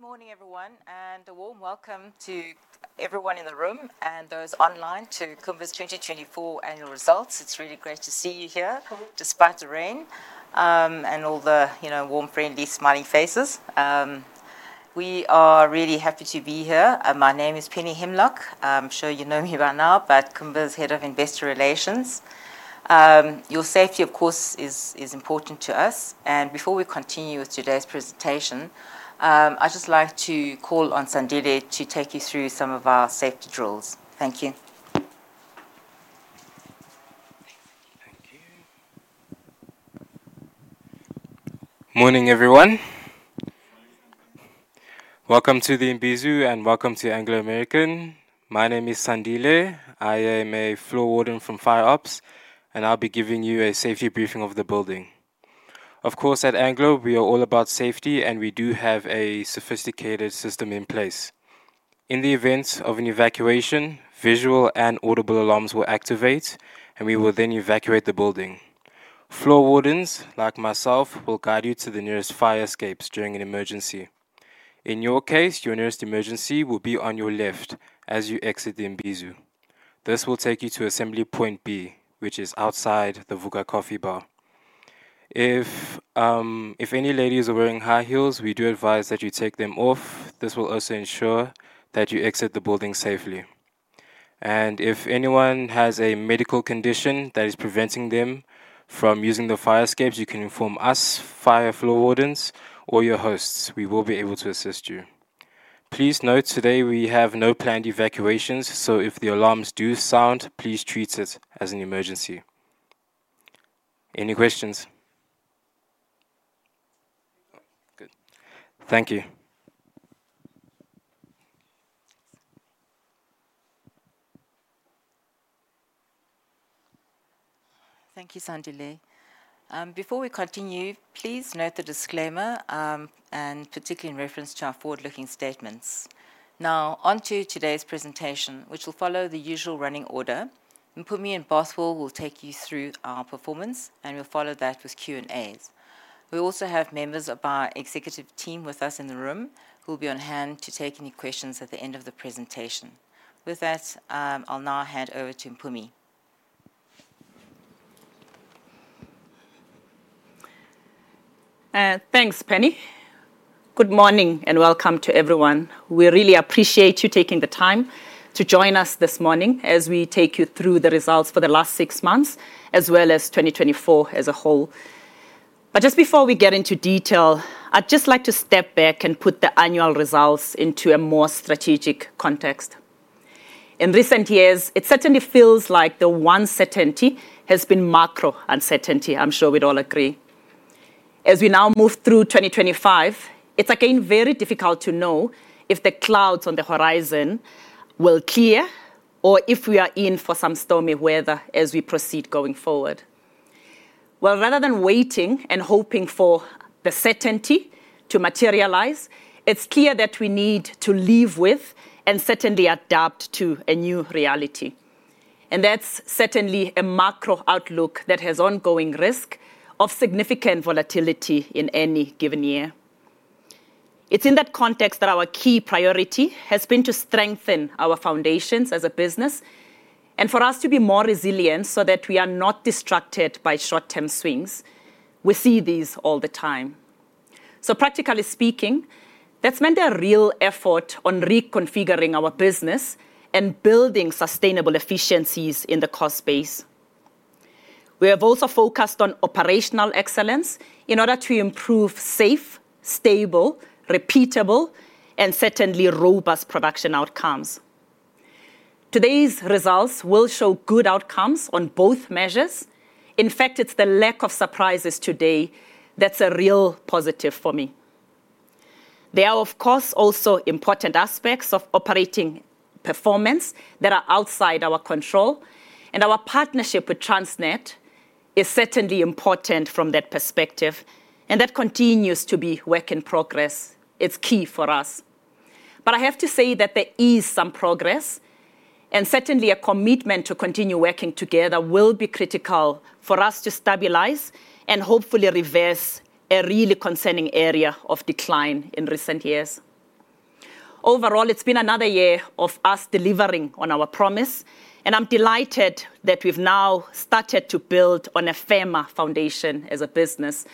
Good morning, everyone, and a warm welcome to everyone in the room and those online to Kumba's 2024 Annual Results. It's really great to see you here despite the rain and all the warm, friendly, smiling faces. We are really happy to be here. My name is Penny Himlok. I'm sure you know me by now, but Kumba's Head of Investor Relations. Your safety, of course, is important to us. And before we continue with today's presentation, I'd just like to call on Sandile to take you through some of our safety drills. Thank you. Thank you. Morning, everyone. Welcome to The Mbeu and welcome to Anglo American. My name is Sandile. I am a Floor warden from Fire Ops, and I'll be giving you a safety briefing of the building. Of course, at Anglo, we are all about safety, and we do have a sophisticated system in place. In the event of an evacuation, visual and audible alarms will activate, and we will then evacuate the building. Floor wardens, like myself, will guide you to the nearest fire escapes during an emergency. In your case, your nearest emergency will be on your left as you exit The Mbeu. This will take you to Assembly Point B, which is outside the Vuka Coffee Bar. If any ladies are wearing high heels, we do advise that you take them off. This will also ensure that you exit the building safely. And if anyone has a medical condition that is preventing them from using the fire escapes, you can inform us, fire floor wardens, or your hosts. We will be able to assist you. Please note today we have no planned evacuations, so if the alarms do sound, please treat it as an emergency. Any questions? Good. Thank you. Thank you, Sandile. Before we continue, please note the disclaimer, and particularly in reference to our forward-looking statements. Now, on to today's presentation, which will follow the usual running order. Mpumi and Bothwell will take you through our performance, and we'll follow that with Q&As. We also have members of our executive team with us in the room who will be on hand to take any questions at the end of the presentation. With that, I'll now hand over to Mpumi. Thanks, Penny. Good morning and welcome to everyone. We really appreciate you taking the time to join us this morning as we take you through the results for the last six months, as well as 2024 as a whole. But just before we get into detail, I'd just like to step back and put the annual results into a more strategic context. In recent years, it certainly feels like the one certainty has been macro uncertainty. I'm sure we'd all agree. As we now move through 2025, it's again very difficult to know if the clouds on the horizon will clear or if we are in for some stormy weather as we proceed going forward. Well, rather than waiting and hoping for the certainty to materialize, it's clear that we need to live with and certainly adapt to a new reality. That's certainly a macro outlook that has ongoing risk of significant volatility in any given year. It's in that context that our key priority has been to strengthen our foundations as a business and for us to be more resilient so that we are not distracted by short-term swings. We see these all the time. So practically speaking, that's meant a real effort on reconfiguring our business and building sustainable efficiencies in the cost base. We have also focused on operational excellence in order to improve safe, stable, repeatable, and certainly robust production outcomes. Today's results will show good outcomes on both measures. In fact, it's the lack of surprises today that's a real positive for me. There are, of course, also important aspects of operating performance that are outside our control, and our partnership with Transnet is certainly important from that perspective, and that continues to be a work in progress. It's key for us. But I have to say that there is some progress, and certainly a commitment to continue working together will be critical for us to stabilize and hopefully reverse a really concerning area of decline in recent years. Overall, it's been another year of us delivering on our promise, and I'm delighted that we've now started to build on a firmer foundation as a business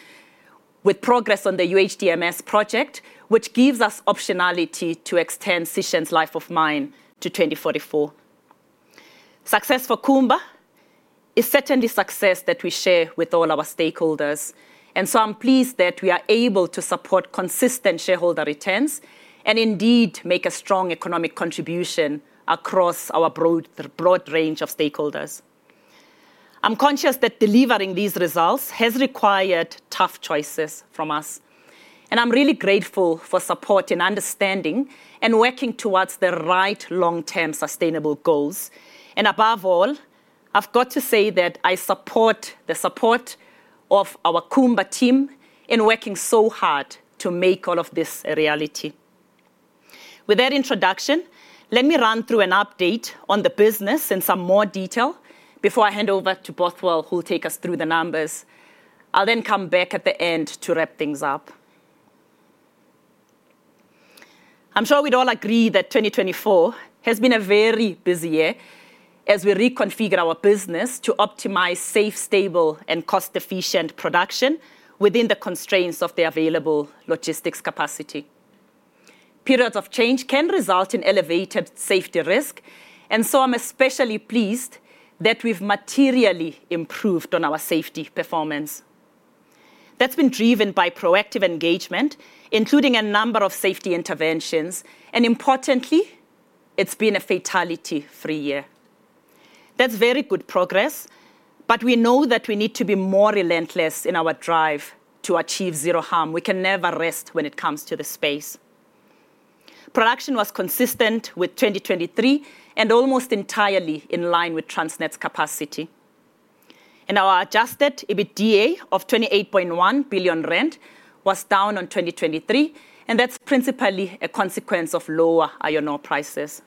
with progress on the UHDMS project, which gives us optionality to extend Sishen's life of mine to 2044. Success for Kumba is certainly success that we share with all our stakeholders, and so I'm pleased that we are able to support consistent shareholder returns and indeed make a strong economic contribution across our broad range of stakeholders. I'm conscious that delivering these results has required tough choices from us, and I'm really grateful for support and understanding and working towards the right long-term sustainable goals, and above all, I've got to say that I support the support of our Kumba team in working so hard to make all of this a reality. With that introduction, let me run through an update on the business in some more detail before I hand over to Bothwell, who will take us through the numbers. I'll then come back at the end to wrap things up. I'm sure we'd all agree that 2024 has been a very busy year as we reconfigure our business to optimize safe, stable, and cost-efficient production within the constraints of the available logistics capacity. Periods of change can result in elevated safety risk, and so I'm especially pleased that we've materially improved on our safety performance. That's been driven by proactive engagement, including a number of safety interventions, and importantly, it's been a fatality-free year. That's very good progress, but we know that we need to be more relentless in our drive to achieve zero harm. We can never rest when it comes to the space. Production was consistent with 2023 and almost entirely in line with Transnet's capacity. And our adjusted EBITDA of 28.1 billion rand was down on 2023, and that's principally a consequence of lower iron ore prices.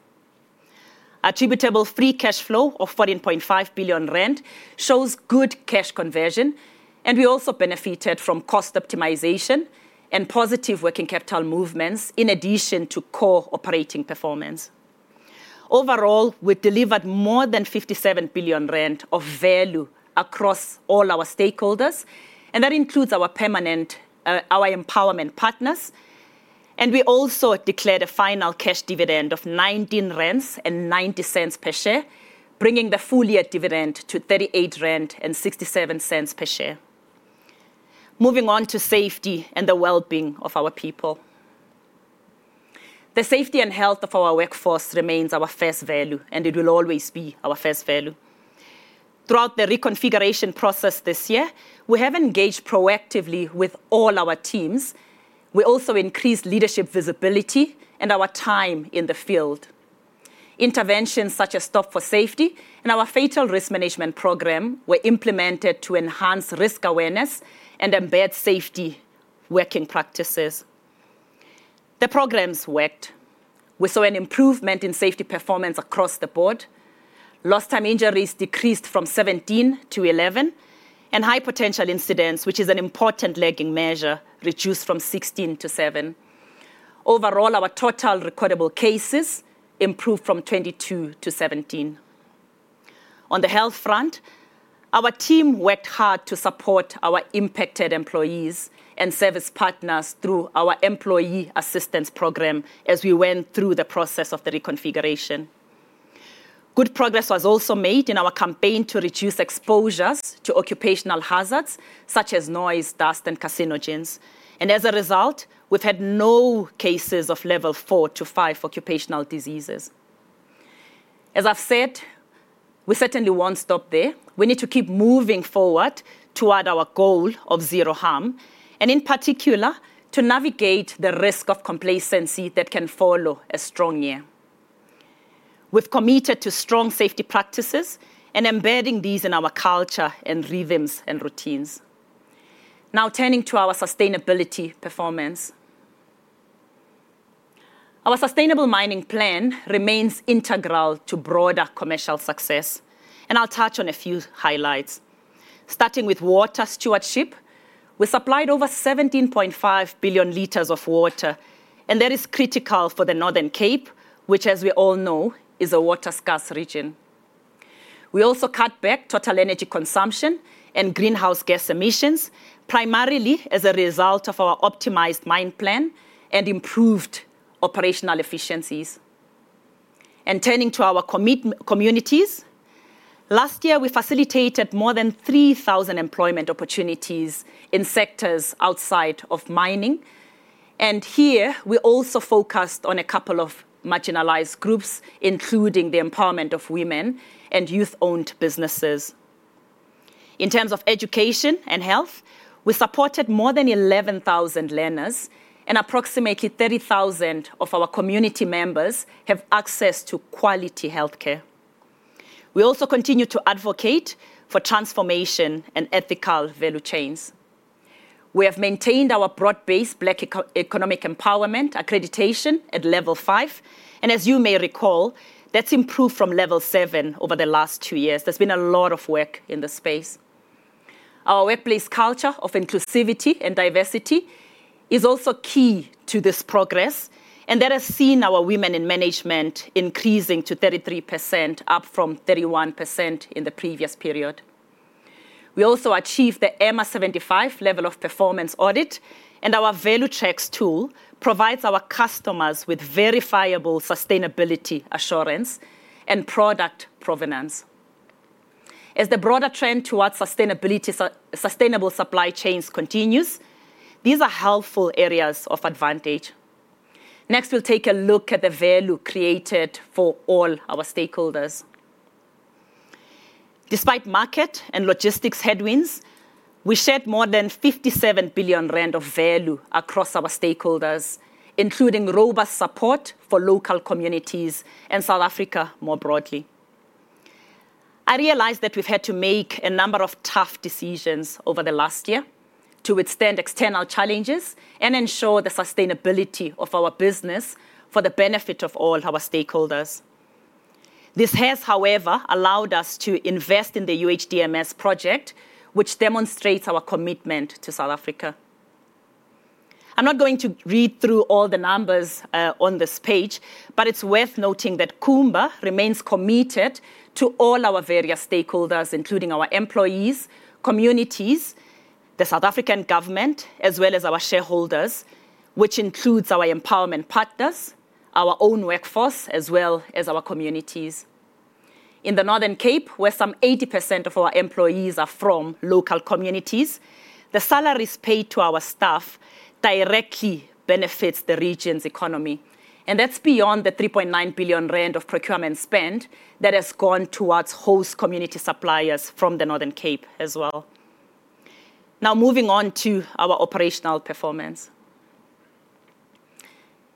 Attributable free cash flow of 14.5 billion rand shows good cash conversion, and we also benefited from cost optimization and positive working capital movements in addition to core operating performance. Overall, we delivered more than 57 billion rand of value across all our stakeholders, and that includes our empowerment partners. We also declared a final cash dividend of 19.90 rand per share, bringing the full year dividend to 38.67 rand per share. Moving on to safety and the well-being of our people. The safety and health of our workforce remains our first value, and it will always be our first value. Throughout the reconfiguration process this year, we have engaged proactively with all our teams. We also increased leadership visibility and our time in the field. Interventions such as Stop for Safety and our Fatal Risk Management Program were implemented to enhance risk awareness and embed safety working practices. The programs worked. We saw an improvement in safety performance across the board. Lost time injuries decreased from 17-11, and high potential incidents, which is an important lagging measure, reduced from 16-7. Overall, our total recordable cases improved from 22-17. On the health front, our team worked hard to support our impacted employees and service partners through our employee assistance program as we went through the process of the reconfiguration. Good progress was also made in our campaign to reduce exposures to occupational hazards such as noise, dust, and carcinogens, and as a result, we've had no cases of level four to five occupational diseases. As I've said, we certainly won't stop there. We need to keep moving forward toward our goal of zero harm, and in particular, to navigate the risk of complacency that can follow a strong year. We've committed to strong safety practices and embedding these in our culture and rhythms and routines. Now turning to our sustainability performance. Our sustainable mining plan remains integral to broader commercial success, and I'll touch on a few highlights. Starting with water stewardship, we supplied over 17.5 billion liters of water, and that is critical for the Northern Cape, which, as we all know, is a water-scarce region. We also cut back total energy consumption and greenhouse gas emissions, primarily as a result of our optimized mine plan and improved operational efficiencies. And turning to our communities, last year, we facilitated more than 3,000 employment opportunities in sectors outside of mining. And here, we also focused on a couple of marginalized groups, including the empowerment of women and youth-owned businesses. In terms of education and health, we supported more than 11,000 learners, and approximately 30,000 of our community members have access to quality healthcare. We also continue to advocate for transformation and ethical value chains. We have maintained our broad-based Black economic empowerment accreditation at level five, and as you may recall, that's improved from level seven over the last two years. There's been a lot of work in the space. Our workplace culture of inclusivity and diversity is also key to this progress, and that has seen our women in management increasing to 33%, up from 31% in the previous period. We also achieved the IRMA 75 level of performance audit, and our ValueCheck tool provides our customers with verifiable sustainability assurance and product provenance. As the broader trend towards sustainable supply chains continues, these are helpful areas of advantage. Next, we'll take a look at the value created for all our stakeholders. Despite market and logistics headwinds, we shared more than 57 billion rand of value across our stakeholders, including robust support for local communities and South Africa more broadly. I realized that we've had to make a number of tough decisions over the last year to withstand external challenges and ensure the sustainability of our business for the benefit of all our stakeholders. This has, however, allowed us to invest in the UHDMS project, which demonstrates our commitment to South Africa. I'm not going to read through all the numbers on this page, but it's worth noting that Kumba remains committed to all our various stakeholders, including our employees, communities, the South African government, as well as our shareholders, which includes our empowerment partners, our own workforce, as well as our communities. In the Northern Cape, where some 80% of our employees are from local communities, the salaries paid to our staff directly benefits the region's economy, and that's beyond the 3.9 billion rand of procurement spend that has gone towards host community suppliers from the Northern Cape as well. Now moving on to our operational performance.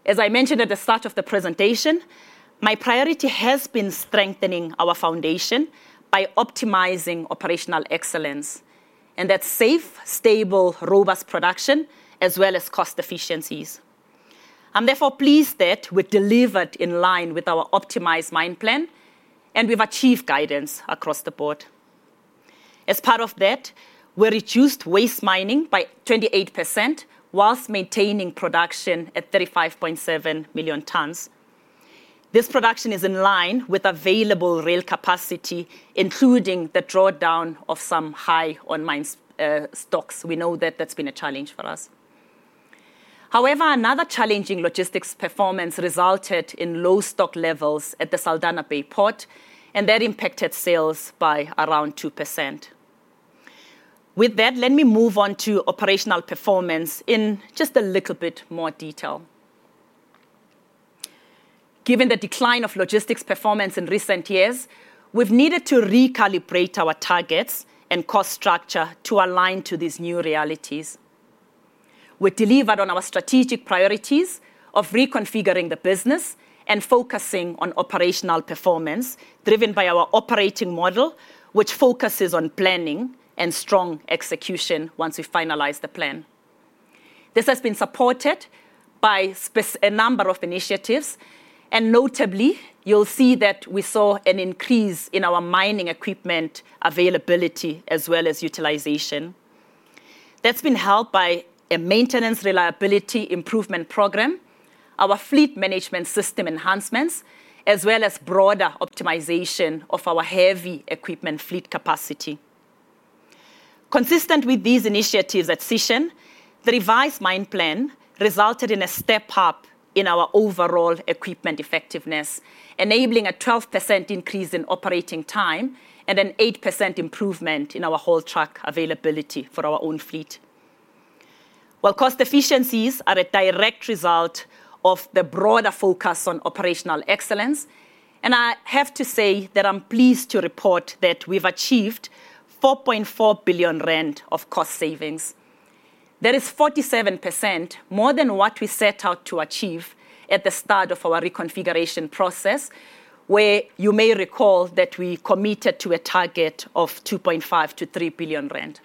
As I mentioned at the start of the presentation, my priority has been strengthening our foundation by optimizing operational excellence, and that's safe, stable, robust production, as well as cost efficiencies. I'm therefore pleased that we've delivered in line with our optimized mine plan, and we've achieved guidance across the board. As part of that, we reduced waste mining by 28% while maintaining production at 35.7 million tons. This production is in line with available rail capacity, including the drawdown of some high on mine stocks. We know that that's been a challenge for us. However, another challenging logistics performance resulted in low stock levels at the Saldanha Bay Port, and that impacted sales by around 2%. With that, let me move on to operational performance in just a little bit more detail. Given the decline of logistics performance in recent years, we've needed to recalibrate our targets and cost structure to align to these new realities. We delivered on our strategic priorities of reconfiguring the business and focusing on operational performance driven by our operating model, which focuses on planning and strong execution once we finalize the plan. This has been supported by a number of initiatives, and notably, you'll see that we saw an increase in our mining equipment availability as well as utilization. That's been helped by a maintenance reliability improvement program, our fleet management system enhancements, as well as broader optimization of our heavy equipment fleet capacity. Consistent with these initiatives at Sishen, the revised mine plan resulted in a step up in our overall equipment effectiveness, enabling a 12% increase in operating time and an 8% improvement in our whole truck availability for our own fleet. While cost efficiencies are a direct result of the broader focus on operational excellence, and I have to say that I'm pleased to report that we've achieved 4.4 billion rand of cost savings. That is 47% more than what we set out to achieve at the start of our reconfiguration process, where you may recall that we committed to a target of 2.5 billion-3 billion rand.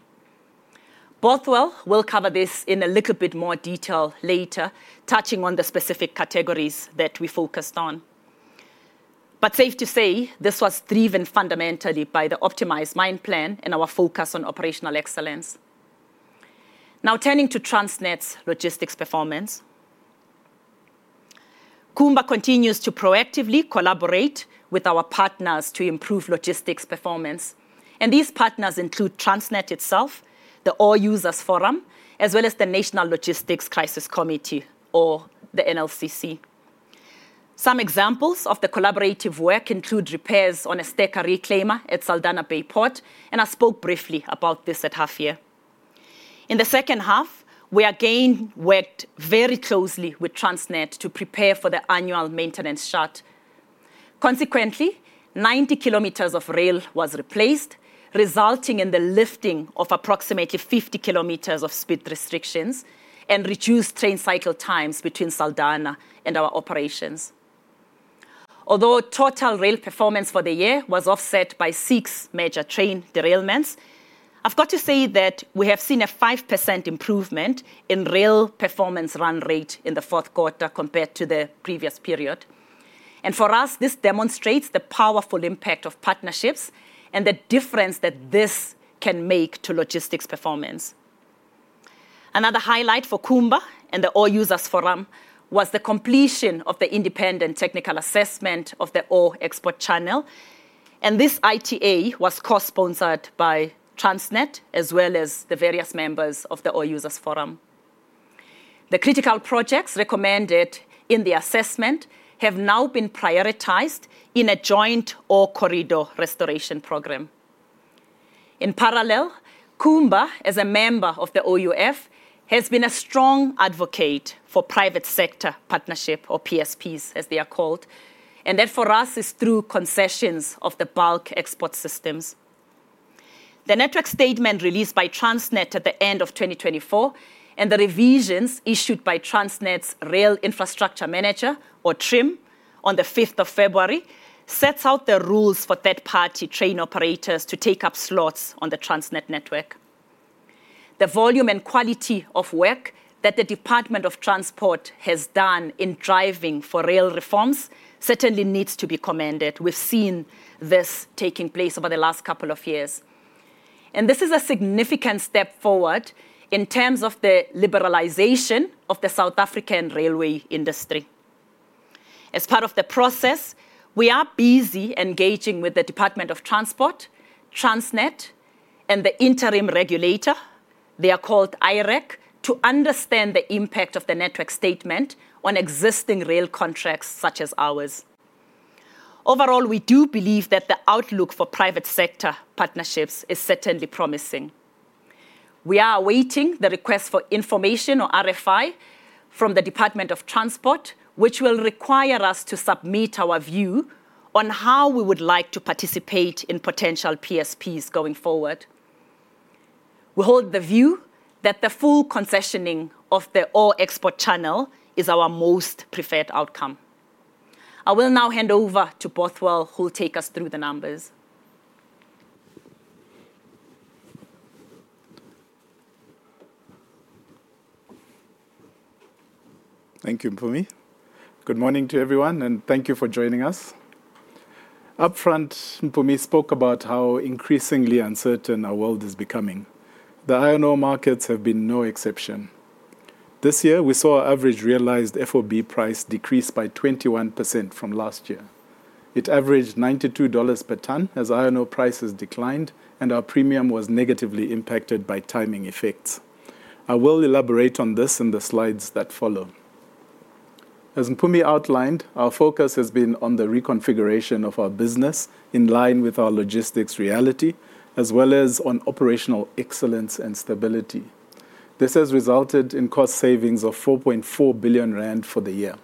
Bothwell will cover this in a little bit more detail later, touching on the specific categories that we focused on. But safe to say this was driven fundamentally by the optimized mine plan and our focus on operational excellence. Now turning to Transnet's logistics performance. Kumba continues to proactively collaborate with our partners to improve logistics performance, and these partners include Transnet itself, the Ore Users' Forum, as well as the National Logistics Crisis Committee, or the NLCC. Some examples of the collaborative work include repairs on a stacker reclaimer at Saldanha Bay Port, and I spoke briefly about this at half year. In the second half, we again worked very closely with Transnet to prepare for the annual maintenance shutdown. Consequently, 90 km of rail was replaced, resulting in the lifting of approximately 50 km of speed restrictions and reduced train cycle times between Saldanha and our operations. Although total rail performance for the year was offset by six major train derailments, I've got to say that we have seen a 5% improvement in rail performance run rate in the fourth quarter compared to the previous period. And for us, this demonstrates the powerful impact of partnerships and the difference that this can make to logistics performance. Another highlight for Kumba and the Ore Users' Forum was the completion of the independent technical assessment of the ore export channel. And this ITA was co-sponsored by Transnet, as well as the various members of the Ore Users' Forum. The critical projects recommended in the assessment have now been prioritized in a joint Ore Corridor Restoration Program. In parallel, Kumba, as a member of the OUF, has been a strong advocate for Private Sector Participation, or PSPs, as they are called, and that for us is through concessions of the bulk export systems. The Network Statement released by Transnet at the end of 2024 and the revisions issued by Transnet's Rail Infrastructure Manager, or TRIM, on the 5th of February sets out the rules for third-party train operators to take up slots on the Transnet network. The volume and quality of work that the Department of Transport has done in driving for rail reforms certainly needs to be commended. We've seen this taking place over the last couple of years. This is a significant step forward in terms of the liberalization of the South African railway industry. As part of the process, we are busy engaging with the Department of Transport, Transnet, and the interim regulator, they are called IREC, to understand the impact of the Network Statement on existing rail contracts such as ours. Overall, we do believe that the outlook for Private Sector Participation is certainly promising. We are awaiting the request for information, or RFI, from the Department of Transport, which will require us to submit our view on how we would like to participate in potential PSPs going forward. We hold the view that the full concessioning of the Ore export channel is our most preferred outcome. I will now hand over to Bothwell, who will take us through the numbers. Thank you, Mpumi. Good morning to everyone, and thank you for joining us. Upfront, Mpumi spoke about how increasingly uncertain our world is becoming. The iron ore markets have been no exception. This year, we saw our average realized FOB price decrease by 21% from last year. It averaged $92 per ton as iron ore prices declined, and our premium was negatively impacted by timing effects. I will elaborate on this in the slides that follow. As Mpumi outlined, our focus has been on the reconfiguration of our business in line with our logistics reality, as well as on operational excellence and stability. This has resulted in cost savings of 4.4 billion rand for the year.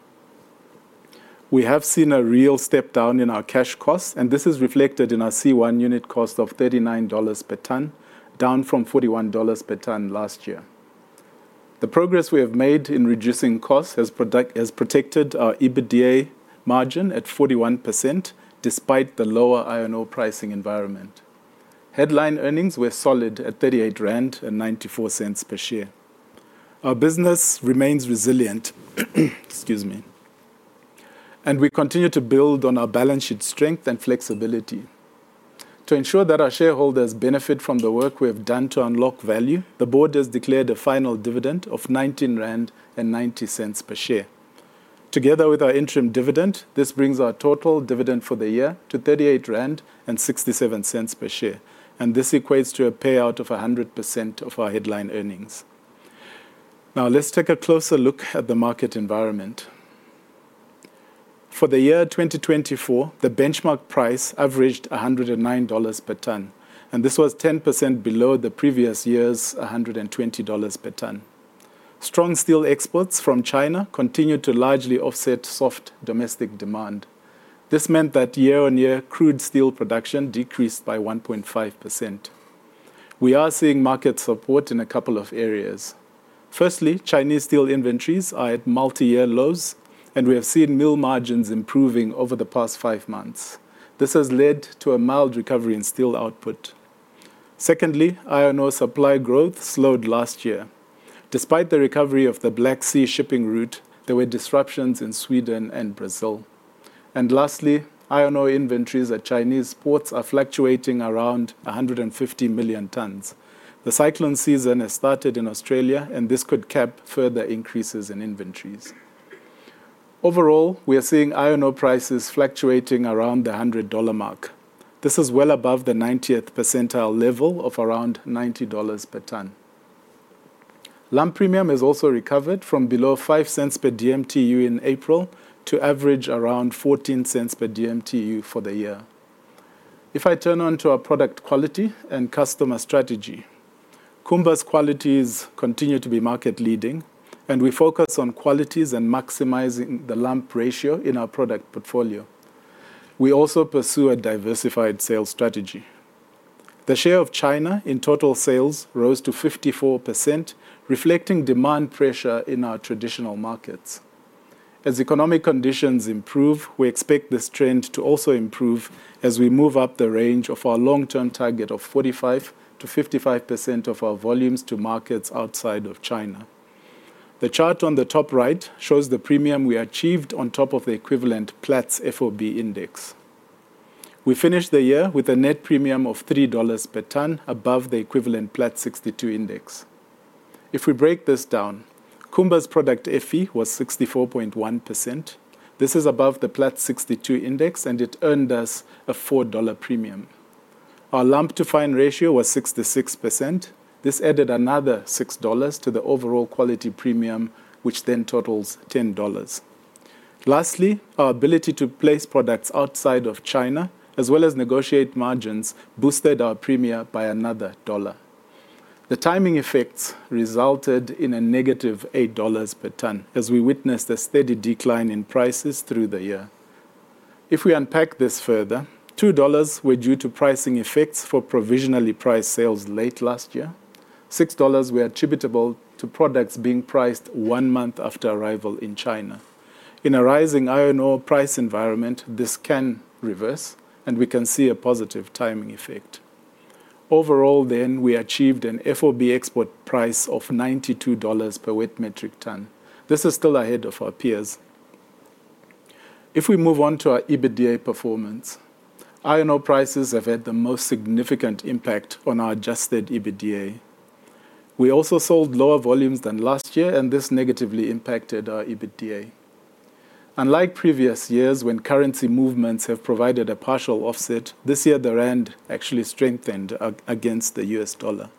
We have seen a real step down in our cash costs, and this is reflected in our C1 unit cost of $39 per ton, down from $41 per ton last year. The progress we have made in reducing costs has protected our EBITDA margin at 41%, despite the lower iron ore pricing environment. Headline earnings were solid at 38.94 rand per share. Our business remains resilient, excuse me, and we continue to build on our balance sheet strength and flexibility. To ensure that our shareholders benefit from the work we have done to unlock value, the board has declared a final dividend of 19.90 rand per share. Together with our interim dividend, this brings our total dividend for the year to 38.67 rand per share, and this equates to a payout of 100% of our headline earnings. Now, let's take a closer look at the market environment. For the year 2024, the benchmark price averaged $109 per ton, and this was 10% below the previous year's $120 per ton. Strong steel exports from China continued to largely offset soft domestic demand. This meant that year-on-year crude steel production decreased by 1.5%. We are seeing market support in a couple of areas. Firstly, Chinese steel inventories are at multi-year lows, and we have seen mill margins improving over the past five months. This has led to a mild recovery in steel output. Secondly, iron ore supply growth slowed last year. Despite the recovery of the Black Sea shipping route, there were disruptions in Sweden and Brazil. And lastly, iron ore inventories at Chinese ports are fluctuating around 150 million tons. The cyclone season has started in Australia, and this could cap further increases in inventories. Overall, we are seeing iron ore prices fluctuating around the $100 mark. This is well above the 90th percentile level of around $90 per ton. Lump premium has also recovered from below $0.05 per DMTU in April to average around $0.14 per DMTU for the year. If I turn to our product quality and customer strategy, Kumba's qualities continue to be market-leading, and we focus on qualities and maximizing the lump ratio in our product portfolio. We also pursue a diversified sales strategy. The share of China in total sales rose to 54%, reflecting demand pressure in our traditional markets. As economic conditions improve, we expect this trend to also improve as we move up the range of our long-term target of 45% to 55% of our volumes to markets outside of China. The chart on the top right shows the premium we achieved on top of the equivalent Platts FOB Index. We finished the year with a net premium of $3 per ton above the equivalent Platts 62 Index. If we break this down, Kumba's product FE was 64.1%. This is above the Platts 62 Index, and it earned us a $4 premium. Our lump-to-fine ratio was 66%. This added another $6 to the overall quality premium, which then totals $10. Lastly, our ability to place products outside of China, as well as negotiate margins, boosted our premium by another dollar. The timing effects resulted in a negative $8 per ton, as we witnessed a steady decline in prices through the year. If we unpack this further, $2 were due to pricing effects for provisionally priced sales late last year. $6 were attributable to products being priced one month after arrival in China. In a rising iron ore price environment, this can reverse, and we can see a positive timing effect. Overall, then, we achieved an FOB export price of $92 per wet metric ton. This is still ahead of our peers. If we move on to our EBITDA performance, iron ore prices have had the most significant impact on our adjusted EBITDA. We also sold lower volumes than last year, and this negatively impacted our EBITDA. Unlike previous years, when currency movements have provided a partial offset, this year, the rand actually strengthened against the U.S. dollar.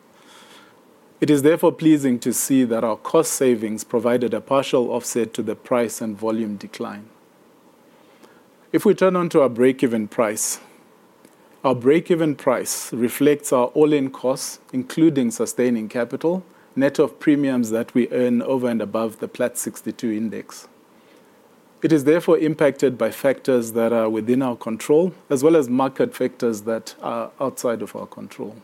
It is therefore pleasing to see that our cost savings provided a partial offset to the price and volume decline. If we turn to our break-even price, our break-even price reflects our all-in costs, including sustaining capital, net of premiums that we earn over and above the Platts 62 Index. It is therefore impacted by factors that are within our control, as well as market factors that are outside of our control.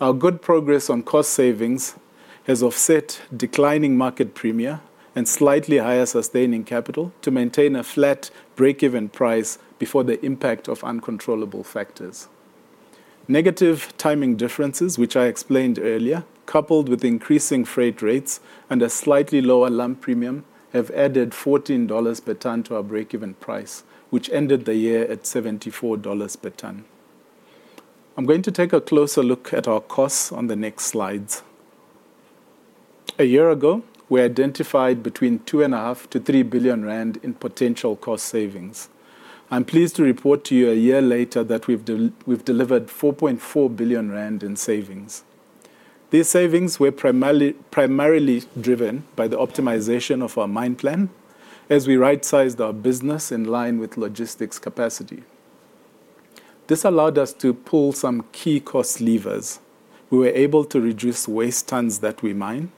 Our good progress on cost savings has offset declining market premium and slightly higher sustaining capital to maintain a flat break-even price before the impact of uncontrollable factors. Negative timing differences, which I explained earlier, coupled with increasing freight rates and a slightly lower lump premium, have added $14 per ton to our break-even price, which ended the year at $74 per ton. I'm going to take a closer look at our costs on the next slides. A year ago, we identified between 2.5 billion-3 billion rand in potential cost savings. I'm pleased to report to you a year later that we've delivered 4.4 billion rand in savings. These savings were primarily driven by the optimization of our mine plan as we right-sized our business in line with logistics capacity. This allowed us to pull some key cost levers. We were able to reduce waste tons that we mine.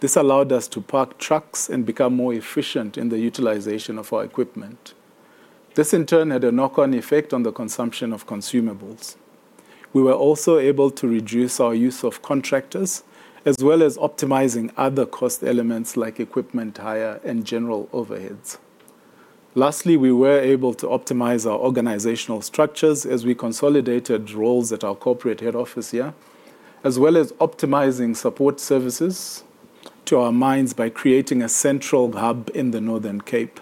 This allowed us to park trucks and become more efficient in the utilization of our equipment. This, in turn, had a knock-on effect on the consumption of consumables. We were also able to reduce our use of contractors, as well as optimizing other cost elements like equipment hire and general overheads. Lastly, we were able to optimize our organizational structures as we consolidated roles at our corporate head office here, as well as optimizing support services to our mines by creating a central hub in the Northern Cape.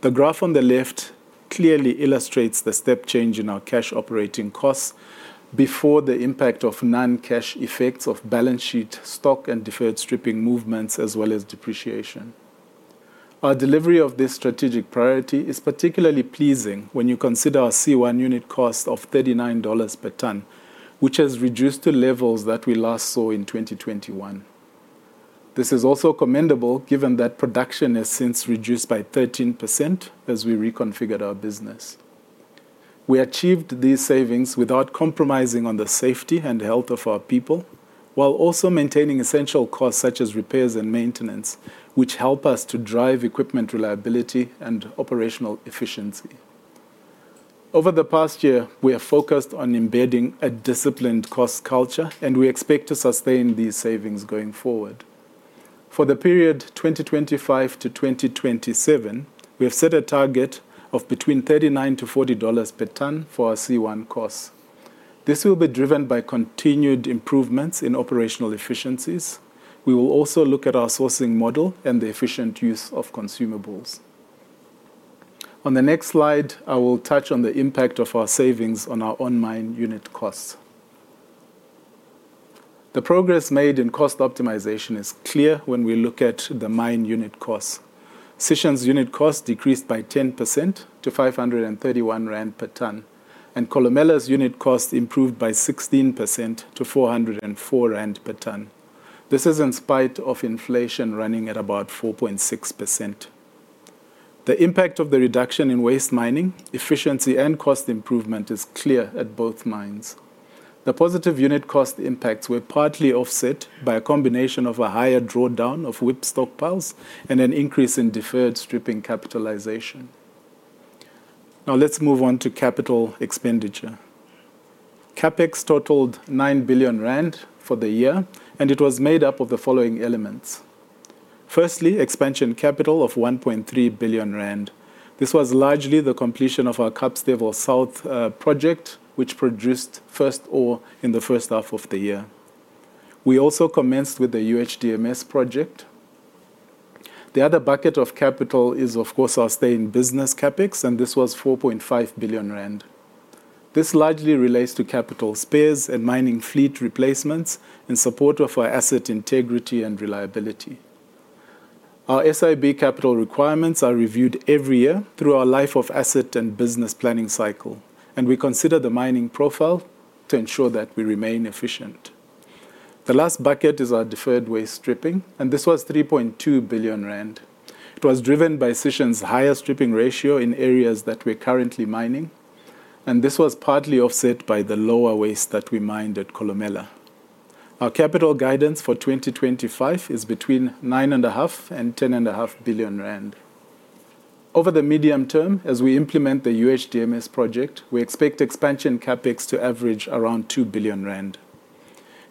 The graph on the left clearly illustrates the step change in our cash operating costs before the impact of non-cash effects of balance sheet stock and deferred stripping movements, as well as depreciation. Our delivery of this strategic priority is particularly pleasing when you consider our C1 unit cost of $39 per ton, which has reduced to levels that we last saw in 2021. This is also commendable, given that production has since reduced by 13% as we reconfigured our business. We achieved these savings without compromising on the safety and health of our people, while also maintaining essential costs such as repairs and maintenance, which help us to drive equipment reliability and operational efficiency. Over the past year, we have focused on embedding a disciplined cost culture, and we expect to sustain these savings going forward. For the period 2025-2027, we have set a target of between $39-$40 per ton for our C1 costs. This will be driven by continued improvements in operational efficiencies. We will also look at our sourcing model and the efficient use of consumables. On the next slide, I will touch on the impact of our savings on our on-mine unit costs. The progress made in cost optimization is clear when we look at the mine unit costs. Sishen's unit costs decreased by 10% to 531 rand per ton, and Kolumela's unit costs improved by 16% to 404 rand per ton. This is in spite of inflation running at about 4.6%. The impact of the reduction in waste mining, efficiency, and cost improvement is clear at both mines. The positive unit cost impacts were partly offset by a combination of a higher drawdown of WIP stockpiles and an increase in deferred stripping capitalization. Now, let's move on to capital expenditure. CapEx totaled 9 billion rand for the year, and it was made up of the following elements. Firstly, expansion capital of 1.3 billion rand. This was largely the completion of our Kapstevel South project, which produced first ore in the first half of the year. We also commenced with the UHDMS project. The other bucket of capital is, of course, our stay-in-business CapEx, and this was 4.5 billion rand. This largely relates to capital spares and mining fleet replacements in support of our asset integrity and reliability. Our SIB capital requirements are reviewed every year through our life of asset and business planning cycle, and we consider the mining profile to ensure that we remain efficient. The last bucket is our deferred waste stripping, and this was 3.2 billion rand. It was driven by Sishen's higher stripping ratio in areas that we're currently mining, and this was partly offset by the lower waste that we mined at Kolumela. Our capital guidance for 2025 is between 9.5 billion rand and 10.5 billion rand. Over the medium term, as we implement the UHDMS project, we expect expansion CAPEX to average around 2 billion rand.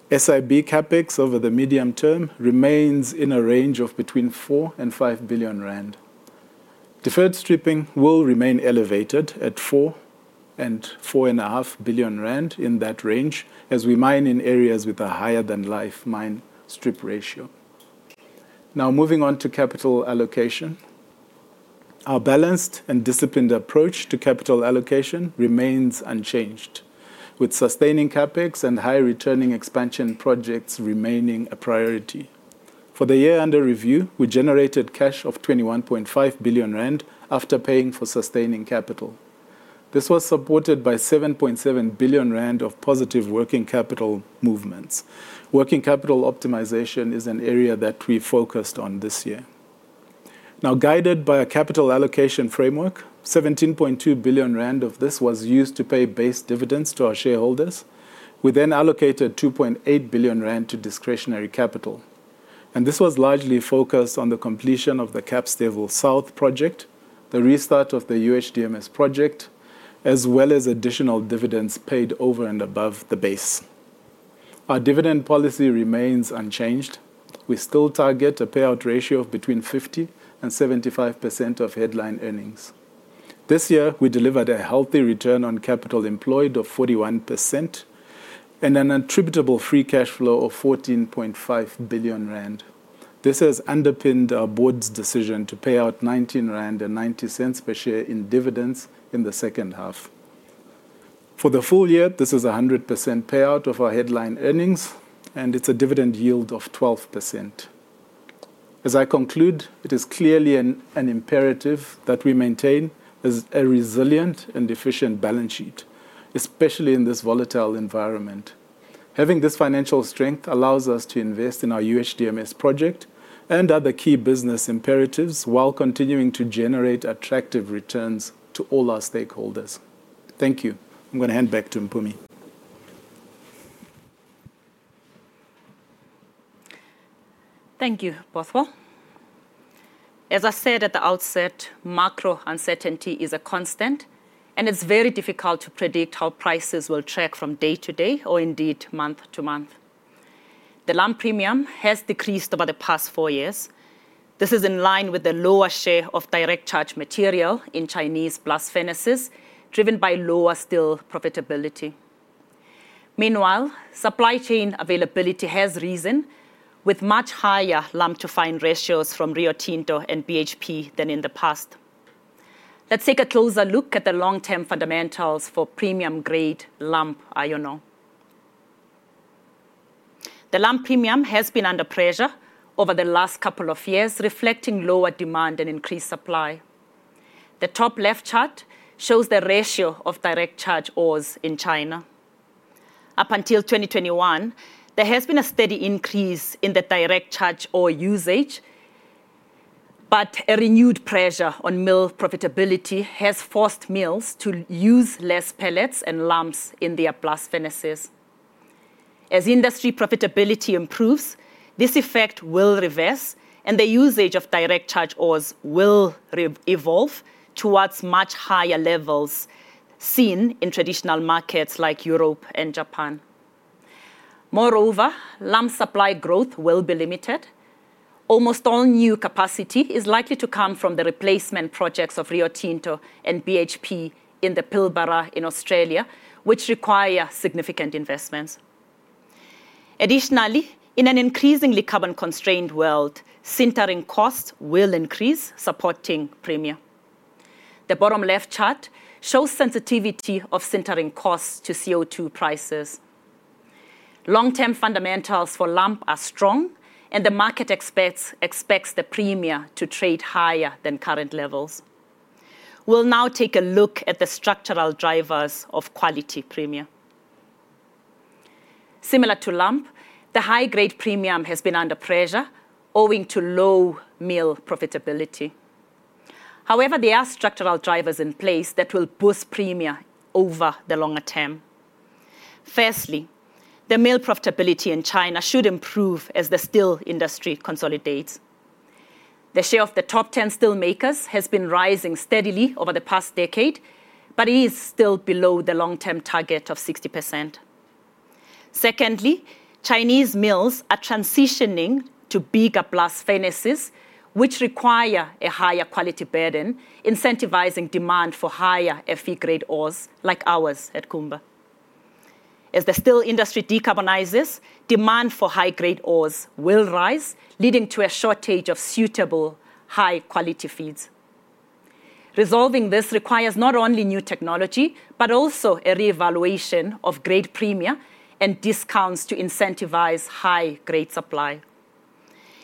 SIB CAPEX over the medium term remains in a range of between 4 billion and 5 billion rand. Deferred stripping will remain elevated at 4 billion rand and 4.5 billion rand in that range as we mine in areas with a higher-than-life mine strip ratio. Now, moving on to capital allocation. Our balanced and disciplined approach to capital allocation remains unchanged, with sustaining CAPEX and high-returning expansion projects remaining a priority. For the year under review, we generated cash of 21.5 billion rand after paying for sustaining capital. This was supported by 7.7 billion rand of positive working capital movements. Working capital optimization is an area that we focused on this year. Now, guided by a capital allocation framework, 17.2 billion rand of this was used to pay base dividends to our shareholders. We then allocated 2.8 billion rand to discretionary capital. This was largely focused on the completion of the Kapstevel South project, the restart of the UHDMS project, as well as additional dividends paid over and above the base. Our dividend policy remains unchanged. We still target a payout ratio of between 50% and 75% of headline earnings. This year, we delivered a healthy return on capital employed of 41% and an attributable free cash flow of 14.5 billion rand. This has underpinned our board's decision to pay out 19.90 rand per share in dividends in the second half. For the full year, this is a 100% payout of our headline earnings, and it's a dividend yield of 12%. As I conclude, it is clearly an imperative that we maintain a resilient and efficient balance sheet, especially in this volatile environment. Having this financial strength allows us to invest in our UHDMS project and other key business imperatives while continuing to generate attractive returns to all our stakeholders. Thank you. I'm going to hand back to Mpumi. Thank you, Bothwell. As I said at the outset, macro uncertainty is a constant, and it's very difficult to predict how prices will track from day to day or indeed month to month. The lump premium has decreased over the past four years. This is in line with the lower share of direct charge material in Chinese blast furnaces, driven by lower steel profitability. Meanwhile, supply chain availability has risen with much higher lump-to-fine ratios from Rio Tinto and BHP than in the past. Let's take a closer look at the long-term fundamentals for premium-grade lump iron ore. The lump premium has been under pressure over the last couple of years, reflecting lower demand and increased supply. The top left chart shows the ratio of direct charge ores in China. Up until 2021, there has been a steady increase in the direct charge ore usage, but a renewed pressure on mill profitability has forced mills to use less pellets and lumps in their blast furnaces. As industry profitability improves, this effect will reverse, and the usage of direct charge ores will evolve towards much higher levels seen in traditional markets like Europe and Japan. Moreover, lump supply growth will be limited. Almost all new capacity is likely to come from the replacement projects of Rio Tinto and BHP in the Pilbara in Australia, which require significant investments. Additionally, in an increasingly carbon-constrained world, sintering costs will increase, supporting premium. The bottom left chart shows sensitivity of sintering costs to CO2 prices. Long-term fundamentals for lump are strong, and the market expects the premium to trade higher than current levels. We'll now take a look at the structural drivers of quality premium. Similar to lump, the high-grade premium has been under pressure owing to low mill profitability. However, there are structural drivers in place that will boost premium over the longer term. Firstly, the mill profitability in China should improve as the steel industry consolidates. The share of the top 10 steelmakers has been rising steadily over the past decade, but it is still below the long-term target of 60%. Secondly, Chinese mills are transitioning to bigger blast furnaces, which require a higher quality burden, incentivizing demand for higher FE-grade ores like ours at Kumba. As the steel industry decarbonizes, demand for high-grade ores will rise, leading to a shortage of suitable high-quality feeds. Resolving this requires not only new technology, but also a re-evaluation of grade premium and discounts to incentivize high-grade supply.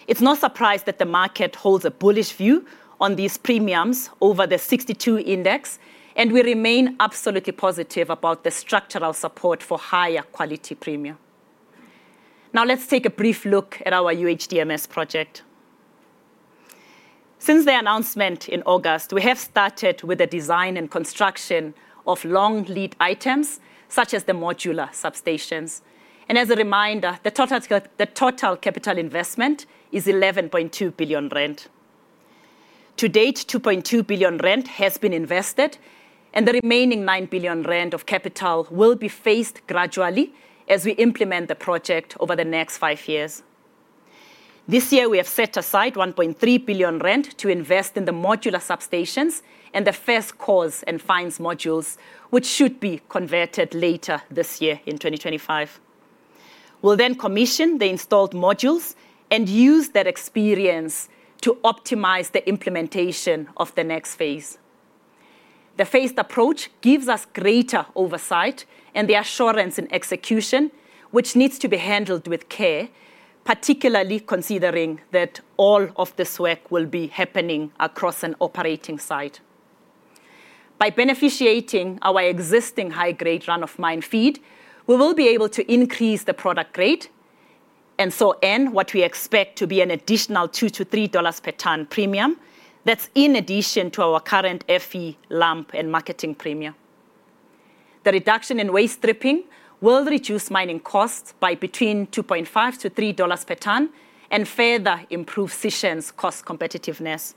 It's no surprise that the market holds a bullish view on these premiums over the Platts 62 index, and we remain absolutely positive about the structural support for higher quality premium. Now, let's take a brief look at our UHDMS project. Since the announcement in August, we have started with the design and construction of long lead items such as the modular substations, and as a reminder, the total capital investment is 11.2 billion rand. To date, 2.2 billion rand has been invested, and the remaining 9 billion rand of capital will be phased gradually as we implement the project over the next five years. This year, we have set aside 1.3 billion rand to invest in the modular substations and the first coarse and fines modules, which should be constructed later this year in 2025. We'll then commission the installed modules and use that experience to optimize the implementation of the next phase. The phased approach gives us greater oversight and the assurance in execution, which needs to be handled with care, particularly considering that all of the work will be happening across an operating site. By beneficiating our existing high-grade run-of-mine feed, we will be able to increase the product grade and so end up with what we expect to be an additional $2-$3 per ton premium. That's in addition to our current FE, lump, and marketing premium. The reduction in waste stripping will reduce mining costs by between $2.5-$3 per ton and further improve Sishen's cost competitiveness.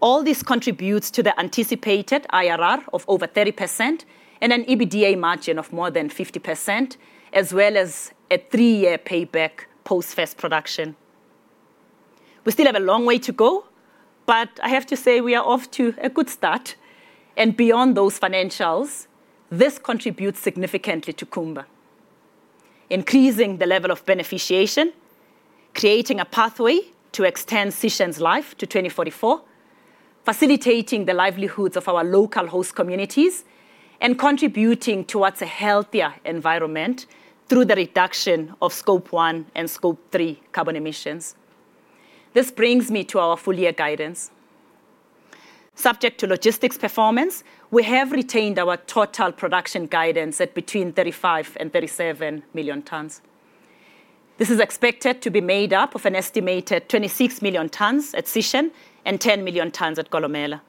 All this contributes to the anticipated IRR of over 30% and an EBITDA margin of more than 50%, as well as a three-year payback post-first production. We still have a long way to go, but I have to say we are off to a good start, and beyond those financials, this contributes significantly to Kumba, increasing the level of beneficiation, creating a pathway to extend Sishen's life to 2044, facilitating the livelihoods of our local host communities, and contributing towards a healthier environment through the reduction of Scope 1 and Scope 3 carbon emissions. This brings me to our full-year guidance. Subject to logistics performance, we have retained our total production guidance at between 35 and 37 million tons. This is expected to be made up of an estimated 26 million tons at Sishen and 10 million tons at Kolumela.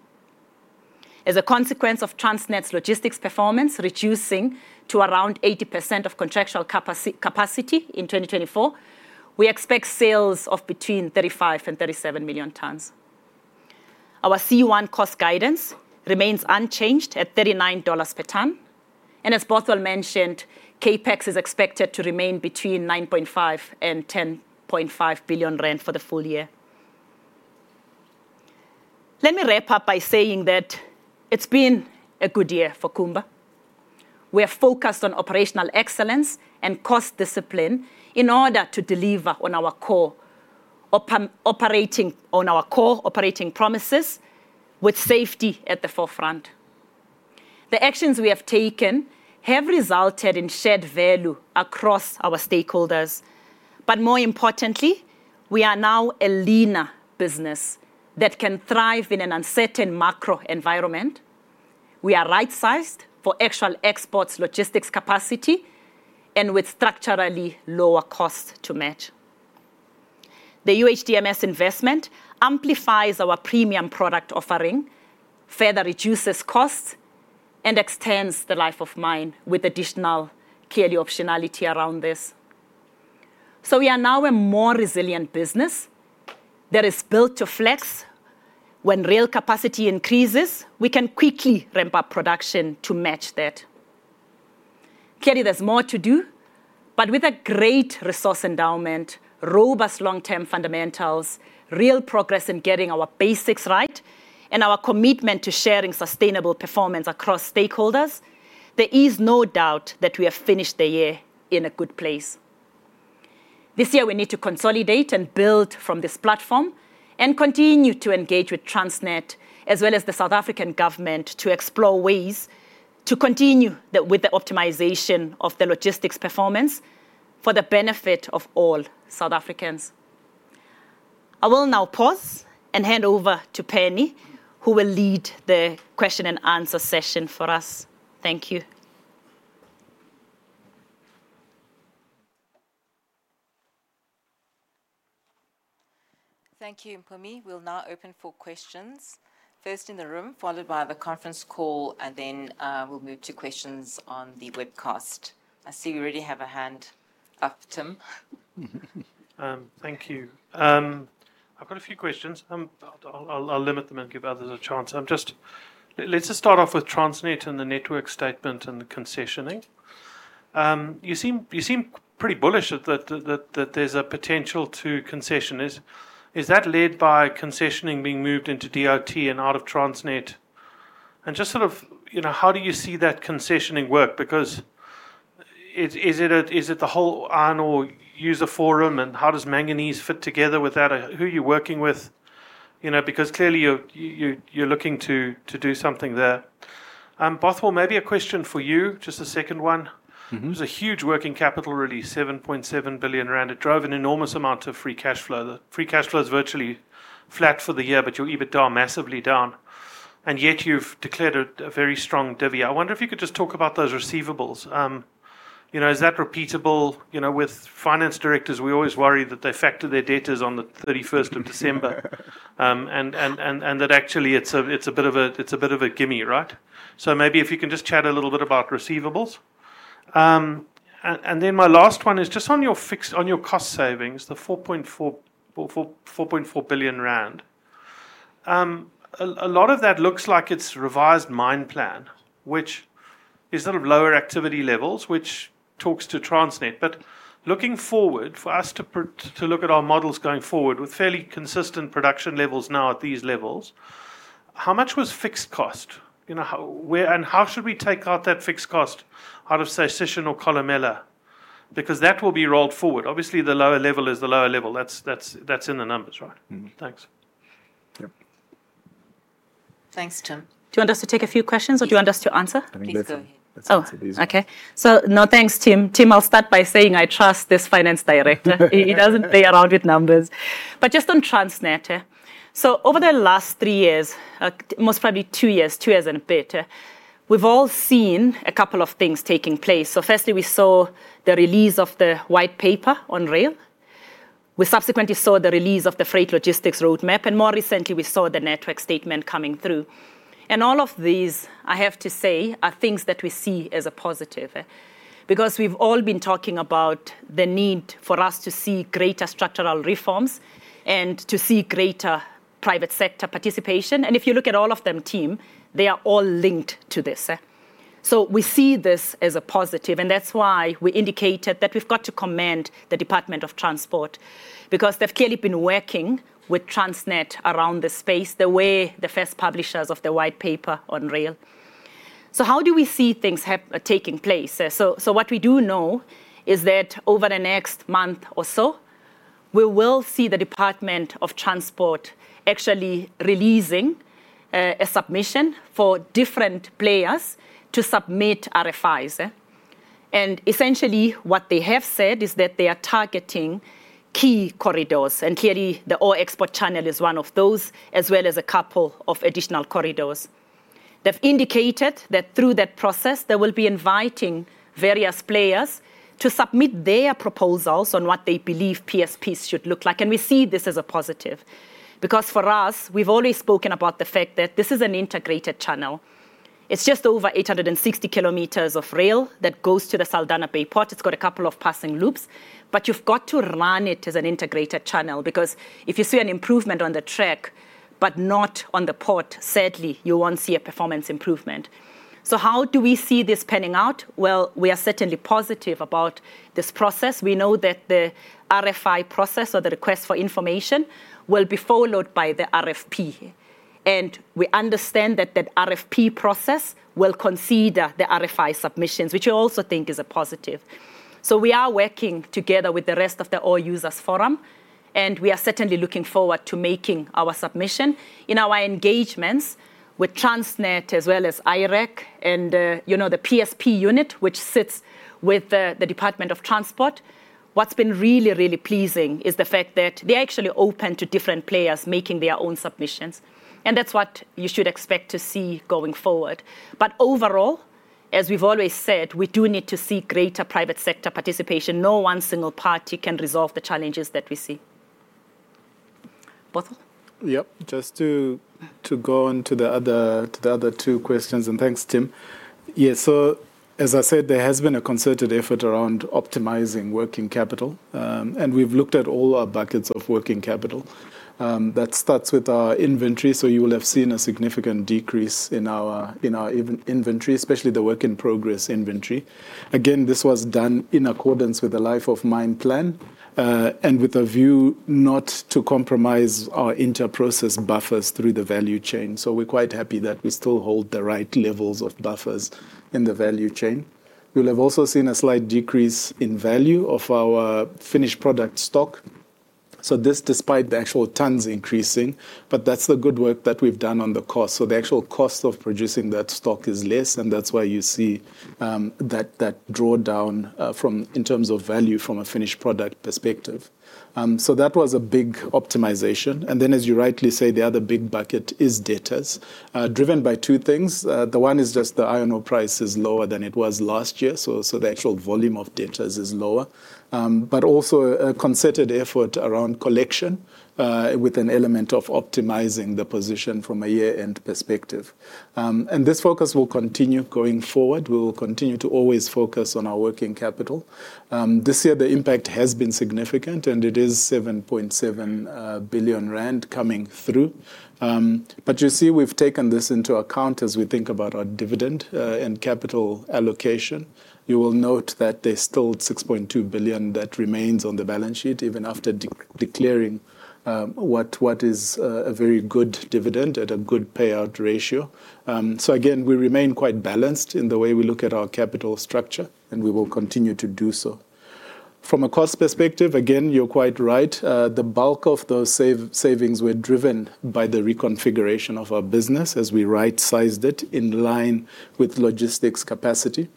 As a consequence of Transnet's logistics performance reducing to around 80% of contractual capacity in 2024, we expect sales of between 35 and 37 million tons. Our C1 cost guidance remains unchanged at $39 per ton, and as Bothwell mentioned, CapEx is expected to remain between 9.5 billion and 10.5 billion rand for the full year. Let me wrap up by saying that it's been a good year for Kumba. We have focused on operational excellence and cost discipline in order to deliver on our core operating promises with safety at the forefront. The actions we have taken have resulted in shared value across our stakeholders. But more importantly, we are now a leaner business that can thrive in an uncertain macro environment. We are right-sized for actual exports logistics capacity and with structurally lower costs to match. The UHDMS investment amplifies our premium product offering, further reduces costs, and extends the life of mine with additional clearly optionality around this. So we are now a more resilient business that is built to flex. When rail capacity increases, we can quickly ramp up production to match that. Clearly, there's more to do, but with a great resource endowment, robust long-term fundamentals, real progress in getting our basics right, and our commitment to sharing sustainable performance across stakeholders, there is no doubt that we have finished the year in a good place. This year, we need to consolidate and build from this platform and continue to engage with Transnet, as well as the South African government, to explore ways to continue with the optimization of the logistics performance for the benefit of all South Africans. I will now pause and hand over to Penny, who will lead the question and answer session for us. Thank you. Thank you, Mpumi. We'll now open for questions. First in the room, followed by the conference call, and then we'll move to questions on the webcast. I see we already have a hand up, Tim. Thank you. I've got a few questions. I'll limit them and give others a chance. Let's just start off with Transnet and the Network Statement and the concessioning. You seem pretty bullish that there's a potential for concessioning. Is that led by concessioning being moved into DRT and out of Transnet? And just sort of how do you see that concessioning work? Because is it the whole Ore Users' Forum? And how does manganese fit together with that? Who are you working with? Because clearly, you're looking to do something there. Bothwell, maybe a question for you, just a second one. There's a huge working capital release, 7.7 billion rand. It drove an enormous amount of free cash flow. The free cash flow is virtually flat for the year, but your EBITDA massively down. And yet, you've declared a very strong divvy. I wonder if you could just talk about those receivables. Is that repeatable? With finance directors, we always worry that they factor their debtors on the 31st of December, and that actually it's a bit of a gimme, right? So maybe if you can just chat a little bit about receivables. And then my last one is just on your cost savings, the 4.4 billion rand. A lot of that looks like it's revised mine plan, which is sort of lower activity levels, which talks to Transnet. But looking forward, for us to look at our models going forward with fairly consistent production levels now at these levels, how much was fixed cost? And how should we take out that fixed cost out of Sishen or Kolumela? Because that will be rolled forward. Obviously, the lower level is the lower level. That's in the numbers, right? Thanks. Thanks, Tim. Do you want us to take a few questions, or do you want us to answer? Please go ahead. Okay. So no, thanks, Tim. Tim, I'll start by saying I trust this finance director. He doesn't play around with numbers. But just on Transnet, so over the last three years, most probably two years, two years and a bit, we've all seen a couple of things taking place. So firstly, we saw the release of the white paper on rail. We subsequently saw the release of the freight logistics roadmap, and more recently, we saw the Network Statement coming through, and all of these, I have to say, are things that we see as a positive. Because we've all been talking about the need for us to see greater structural reforms and to see greater Private Sector Participation, and if you look at all of them, Tim, they are all linked to this, so we see this as a positive, and that's why we indicated that we've got to commend the Department of Transport, because they've clearly been working with Transnet around this space, the way the first publishers of the white paper on rail, so how do we see things taking place? What we do know is that over the next month or so, we will see the Department of Transport actually releasing a submission for different players to submit RFIs. Essentially, what they have said is that they are targeting key corridors. Clearly, the ore export channel is one of those, as well as a couple of additional corridors. They've indicated that through that process, they will be inviting various players to submit their proposals on what they believe PSPs should look like. We see this as a positive. For us, we've always spoken about the fact that this is an integrated channel. It's just over 860 km of rail that goes to the Saldanha Bay Port. It's got a couple of passing loops. You've got to run it as an integrated channel. Because if you see an improvement on the track, but not on the port, sadly, you won't see a performance improvement. So how do we see this panning out? Well, we are certainly positive about this process. We know that the RFI process, or the request for information, will be followed by the RFP. And we understand that that RFP process will consider the RFI submissions, which we also think is a positive. So we are working together with the rest of the Ore Users' Forum. And we are certainly looking forward to making our submission. In our engagements with Transnet, as well as IREC and the PSP unit, which sits with the Department of Transport, what's been really, really pleasing is the fact that they are actually open to different players making their own submissions. And that's what you should expect to see going forward. But overall, as we've always said, we do need to see greater Private Sector Participation. No one single party can resolve the challenges that we see. Bothwell? Yep, just to go on to the other two questions. And thanks, Tim. Yeah, so as I said, there has been a concerted effort around optimizing working capital. And we've looked at all our buckets of working capital. That starts with our inventory. So you will have seen a significant decrease in our inventory, especially the work in progress inventory. Again, this was done in accordance with the life of mine plan and with a view not to compromise our inter-process buffers through the value chain. So we're quite happy that we still hold the right levels of buffers in the value chain. We will have also seen a slight decrease in value of our finished product stock. So this, despite the actual tons increasing. But that's the good work that we've done on the cost. So the actual cost of producing that stock is less. And that's why you see that drawdown in terms of value from a finished product perspective. So that was a big optimization. And then, as you rightly say, the other big bucket is debtors, driven by two things. The one is just the iron ore price is lower than it was last year. So the actual volume of debtors is lower. But also a concerted effort around collection with an element of optimizing the position from a year-end perspective. And this focus will continue going forward. We will continue to always focus on our working capital. This year, the impact has been significant. And it is 7.7 billion rand coming through. But you see, we've taken this into account as we think about our dividend and capital allocation. You will note that there's still 6.2 billion that remains on the balance sheet even after declaring what is a very good dividend at a good payout ratio. So again, we remain quite balanced in the way we look at our capital structure. And we will continue to do so. From a cost perspective, again, you're quite right. The bulk of those savings were driven by the reconfiguration of our business as we right-sized it in line with logistics capacity.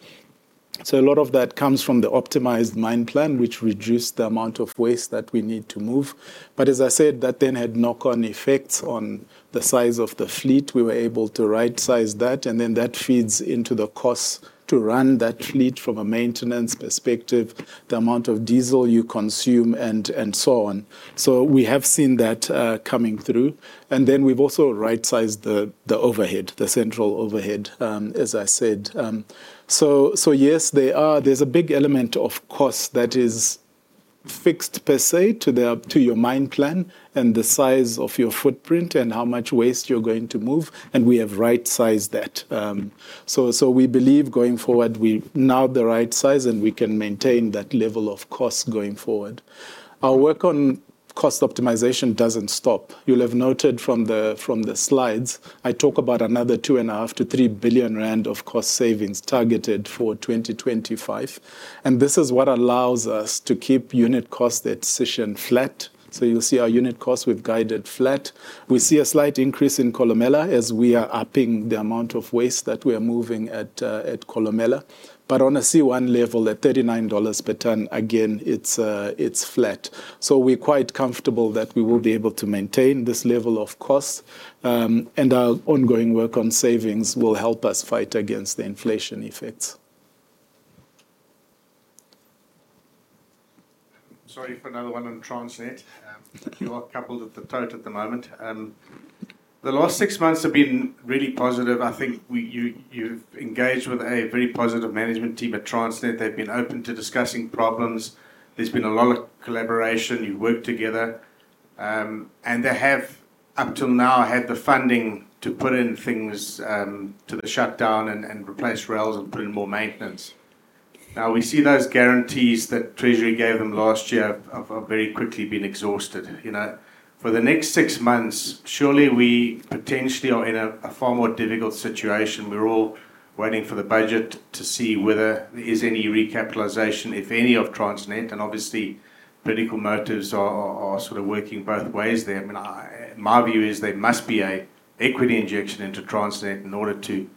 So a lot of that comes from the optimized mine plan, which reduced the amount of waste that we need to move. But as I said, that then had knock-on effects on the size of the fleet. We were able to right-size that. And then that feeds into the cost to run that fleet from a maintenance perspective, the amount of diesel you consume, and so on. So we have seen that coming through. And then we've also right-sized the overhead, the central overhead, as I said. So yes, there's a big element of cost that is fixed per se to your mine plan and the size of your footprint and how much waste you're going to move. And we have right-sized that. So we believe going forward, we now the right size and we can maintain that level of cost going forward. Our work on cost optimization doesn't stop. You'll have noted from the slides, I talk about another 2.5 billion-3 billion rand of cost savings targeted for 2025. And this is what allows us to keep unit cost at Sishen flat. So you'll see our unit cost, we've guided flat. We see a slight increase in Kolumela as we are upping the amount of waste that we are moving at Kolumela, but on a C1 level at $39 per ton, again, it's flat, so we're quite comfortable that we will be able to maintain this level of cost, and our ongoing work on savings will help us fight against the inflation effects. Sorry for another one on Transnet. You are coupled at the port at the moment. The last six months have been really positive. I think you've engaged with a very positive management team at Transnet. They've been open to discussing problems. There's been a lot of collaboration. You've worked together. And they have, up till now, had the funding to put in things to the shutdown and replace rails and put in more maintenance. Now, we see those guarantees that Treasury gave them last year have very quickly been exhausted. For the next six months, surely we potentially are in a far more difficult situation. We're all waiting for the budget to see whether there is any recapitalization, if any, of Transnet. And obviously, political motives are sort of working both ways there. My view is there must be an equity injection into Transnet in order to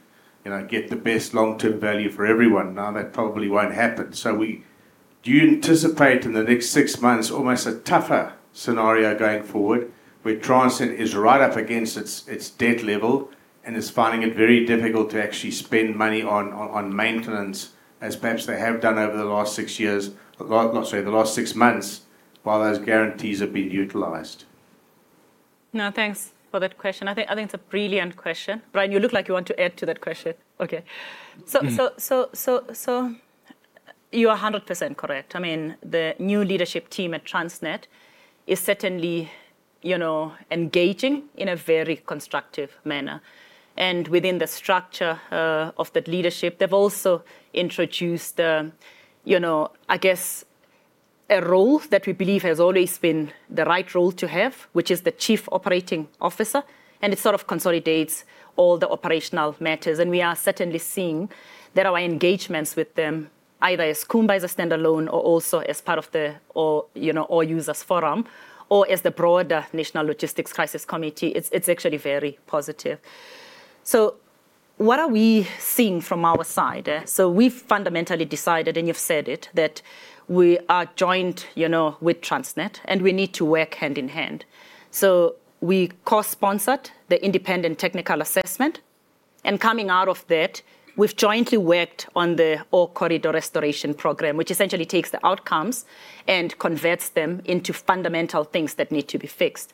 get the best long-term value for everyone. Now, that probably won't happen. So do you anticipate in the next six months almost a tougher scenario going forward where Transnet is right up against its debt level and is finding it very difficult to actually spend money on maintenance, as perhaps they have done over the last six years, sorry, the last six months while those guarantees have been utilized? No, thanks for that question. I think it's a brilliant question. Brian, you look like you want to add to that question. Okay. So you are 100% correct. I mean, the new leadership team at Transnet is certainly engaging in a very constructive manner. And within the structure of that leadership, they've also introduced, I guess, a role that we believe has always been the right role to have, which is the Chief Operating Officer. And it sort of consolidates all the operational matters. And we are certainly seeing that our engagements with them, either as Kumba as a standalone or also as part of the Ore Users' Forum or as the broader National Logistics Crisis Committee, it's actually very positive. So what are we seeing from our side? So we've fundamentally decided, and you've said it, that we are joined with Transnet. And we need to work hand in hand. So we co-sponsored the Independent Technical Assessment. And coming out of that, we've jointly worked on the Ore Corridor Restoration Program, which essentially takes the outcomes and converts them into fundamental things that need to be fixed.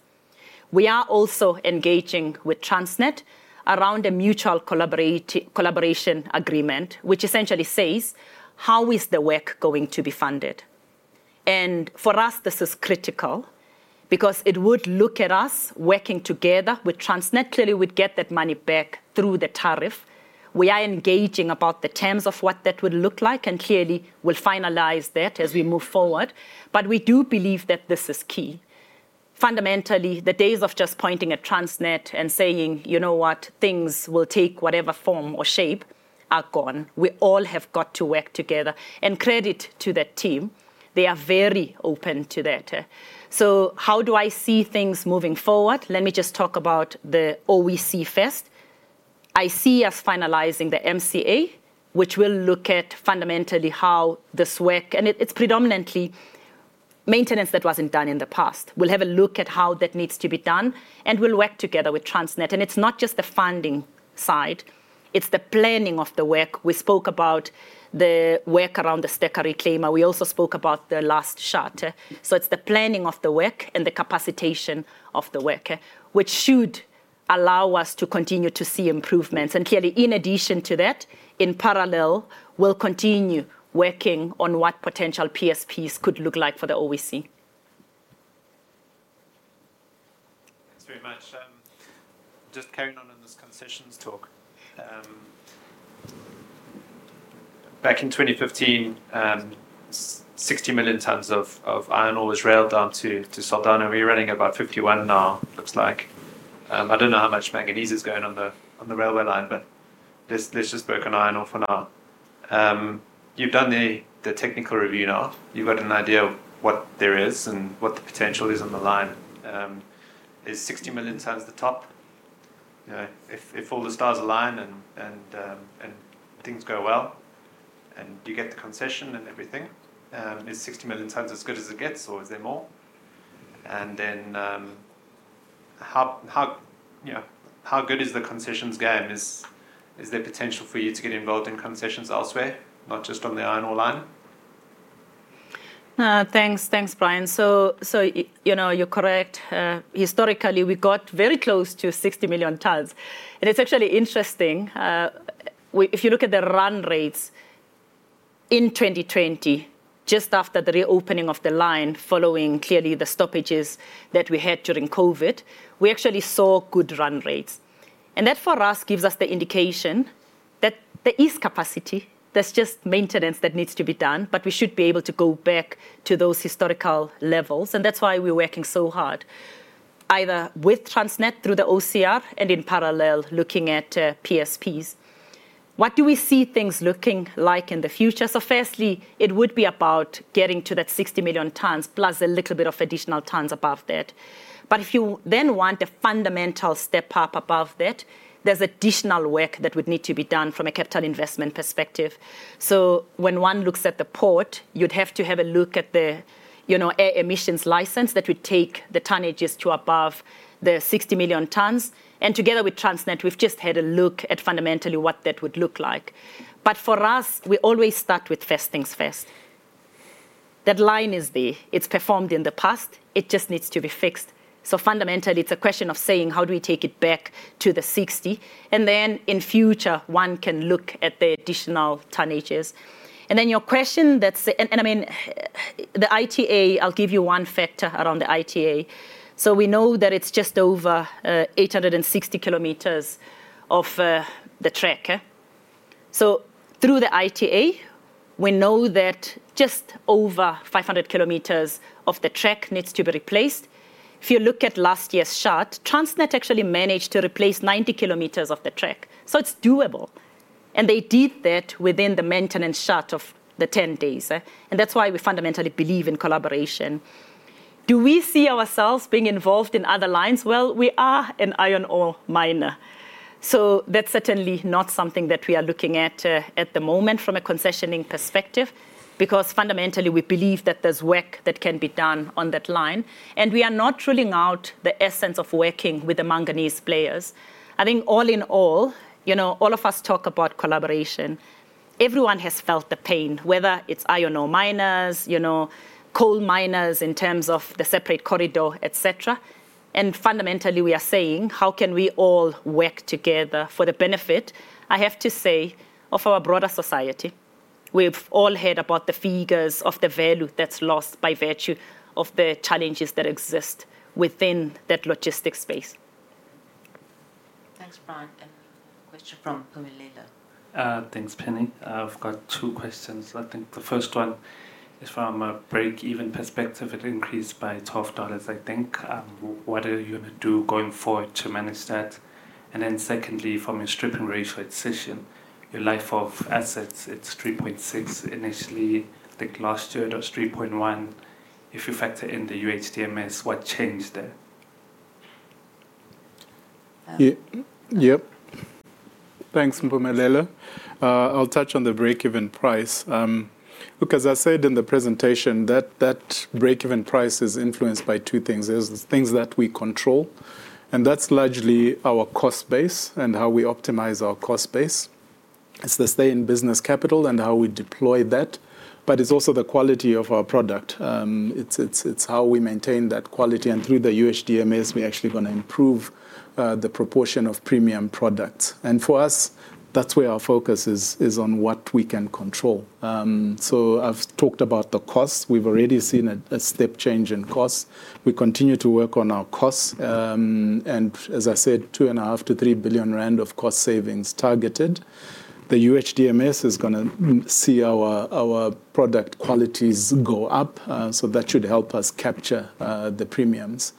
We are also engaging with Transnet around a mutual collaboration agreement, which essentially says, how is the work going to be funded? And for us, this is critical because it would look at us working together with Transnet. Clearly, we'd get that money back through the tariff. We are engaging about the terms of what that would look like. And clearly, we'll finalize that as we move forward. But we do believe that this is key. Fundamentally, the days of just pointing at Transnet and saying, you know what, things will take whatever form or shape are gone, we all have got to work together. And credit to that team, they are very open to that. So how do I see things moving forward? Let me just talk about the OEC first. I see us finalizing the MCA, which will look at fundamentally how this work. And it's predominantly maintenance that wasn't done in the past. We'll have a look at how that needs to be done. And we'll work together with Transnet. And it's not just the funding side. It's the planning of the work. We spoke about the work around the stacker reclaimer. We also spoke about the last shut. So it's the planning of the work and the capacitation of the work, which should allow us to continue to see improvements. And clearly, in addition to that, in parallel, we'll continue working on what potential PSPs could look like for the OEC. Thanks very much. Just carrying on in this concessions talk. Back in 2015, 60 million tons of iron ore was railed down to Saldanha Bay. We're running about 51 now, looks like. I don't know how much manganese is going on the railway line, but there's just broken iron ore for now. You've done the technical review now. You've got an idea of what there is and what the potential is on the line. Is 60 million tons the top? If all the stars align and things go well and you get the concession and everything, is 60 million tons as good as it gets or is there more? And then how good is the concessions game? Is there potential for you to get involved in concessions elsewhere, not just on the iron ore line? Thanks, Brian. So you're correct. Historically, we got very close to 60 million tons. And it's actually interesting. If you look at the run rates in 2020, just after the reopening of the line following clearly the stoppages that we had during COVID, we actually saw good run rates, and that for us gives us the indication that there is capacity. There's just maintenance that needs to be done, but we should be able to go back to those historical levels, and that's why we're working so hard, either with Transnet through the OCR and in parallel looking at PSPs. What do we see things looking like in the future? Firstly, it would be about getting to that 60 million tons plus a little bit of additional tons above that, but if you then want a fundamental step up above that, there's additional work that would need to be done from a capital investment perspective. When one looks at the port, you'd have to have a look at the air emissions license that would take the tonnages to above the 60 million tons. And together with Transnet, we've just had a look at fundamentally what that would look like. But for us, we always start with first things first. That line is there. It's performed in the past. It just needs to be fixed. So fundamentally, it's a question of saying, how do we take it back to the 60? And then in future, one can look at the additional tonnages. And then your question, that's and I mean, the ITA. I'll give you one factor around the ITA. So we know that it's just over 860 km of the track. So through the ITA, we know that just over 500 km of the track needs to be replaced. If you look at last year's shutdown, Transnet actually managed to replace 90 km of the track, so it's doable. They did that within the maintenance shutdown of the 10 days. That's why we fundamentally believe in collaboration. Do we see ourselves being involved in other lines? We are an iron ore miner. That's certainly not something that we are looking at at the moment from a concessioning perspective because fundamentally, we believe that there's work that can be done on that line. We are not ruling out the essence of working with the manganese players. I think all in all, all of us talk about collaboration. Everyone has felt the pain, whether it's iron ore miners, coal miners in terms of the separate corridor, et cetera. Fundamentally, we are saying, how can we all work together for the benefit, I have to say, of our broader society? We've all heard about the figures of the value that's lost by virtue of the challenges that exist within that logistics space. Thanks, Brian. A question from Khumbulani. Thanks, Penny. I've got two questions. I think the first one is from a break-even perspective. It increased by $12, I think. What are you going to do going forward to manage that? And then secondly, from your stripping ratio decision, your life of assets, it's 3.6 initially. I think last year it was 3.1. If you factor in the UHDMS, what changed there? Yep. Thanks, Khumbulani. I'll touch on the break-even price. Look, as I said in the presentation, that break-even price is influenced by two things. There's the things that we control. That's largely our cost base and how we optimize our cost base. It's the stay-in-business capital and how we deploy that. But it's also the quality of our product. It's how we maintain that quality. And through the UHDMS, we're actually going to improve the proportion of premium products. And for us, that's where our focus is on what we can control. So I've talked about the costs. We've already seen a step change in costs. We continue to work on our costs. And as I said, 2.5 billion-3 billion rand of cost savings targeted. The UHDMS is going to see our product qualities go up. So that should help us capture the premiums.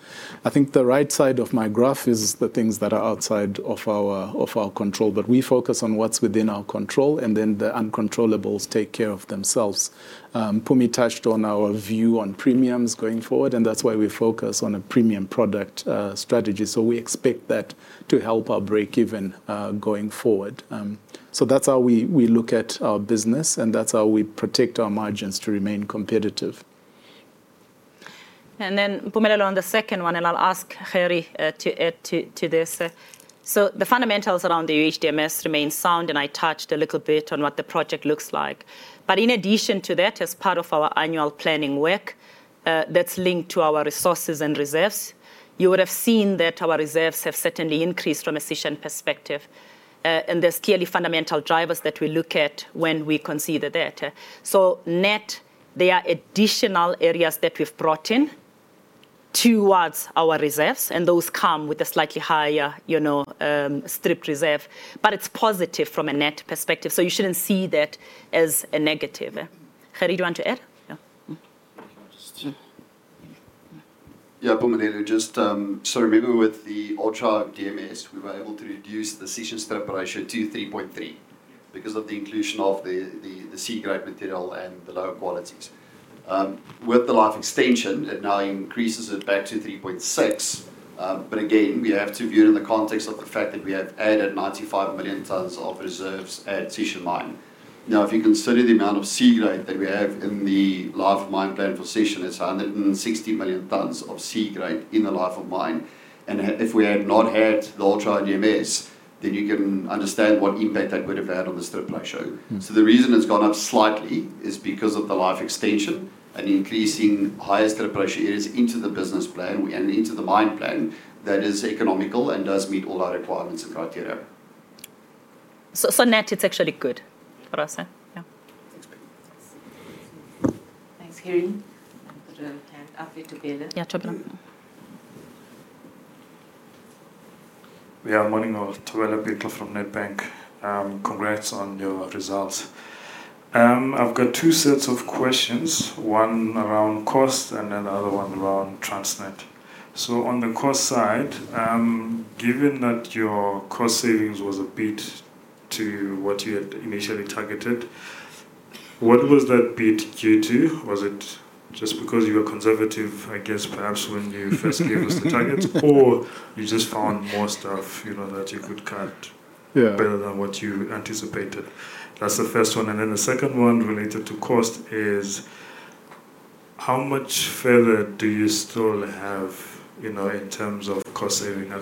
I think the right side of my graph is the things that are outside of our control. But we focus on what's within our control. And then the uncontrollables take care of themselves. Mpumi touched on our view on premiums going forward, and that's why we focus on a premium product strategy. So we expect that to help our break-even going forward. That's how we look at our business, and that's how we protect our margins to remain competitive. Then Khumbulani on the second one, and I'll ask Gerrie to add to this. The fundamentals around the UHDMS remain sound, and I touched a little bit on what the project looks like. But in addition to that, as part of our annual planning work that's linked to our resources and reserves, you would have seen that our reserves have certainly increased from a Sishen perspective. There's clearly fundamental drivers that we look at when we consider that. Net, there are additional areas that we've brought in towards our reserves. And those come with a slightly higher stripped reserve. But it's positive from a net perspective. So you shouldn't see that as a negative. Gerrie, do you want to add? Yeah. Khumbulani, just sorry, maybe with the UHDMS, we were able to reduce the Sishen strip ratio to 3.3 because of the inclusion of the low-grade material and the lower qualities. With the life extension, it now increases it back to 3.6. But again, we have to view it in the context of the fact that we have added 95 million tons of reserves at Sishen mine. Now, if you consider the amount of low-grade that we have in the life of mine plan for Sishen, it's 160 million tons of low-grade in the life of mine. If we had not had the UHDMS, then you can understand what impact that would have had on the strip ratio. The reason it's gone up slightly is because of the life extension and increasing higher strip ratio areas into the business plan and into the mine plan that is economical and does meet all our requirements and criteria. Net, it's actually good for us. Yeah. Thanks, Penny. Thanks, Gerrie. The hand up here to Bella. Yeah. [inaudible] Yeah, morning, Khumbulani Ngwenya from Nedbank. Congrats on your results. I've got two sets of questions, one around cost and then the other one around Transnet. On the cost side, given that your cost savings was a bit short of what you had initially targeted, what was that bit due to? Was it just because you were conservative, I guess, perhaps when you first gave us the targets, or you just found more stuff that you could cut better than what you anticipated? That's the first one. And then the second one related to cost is how much further do you still have in terms of cost saving? I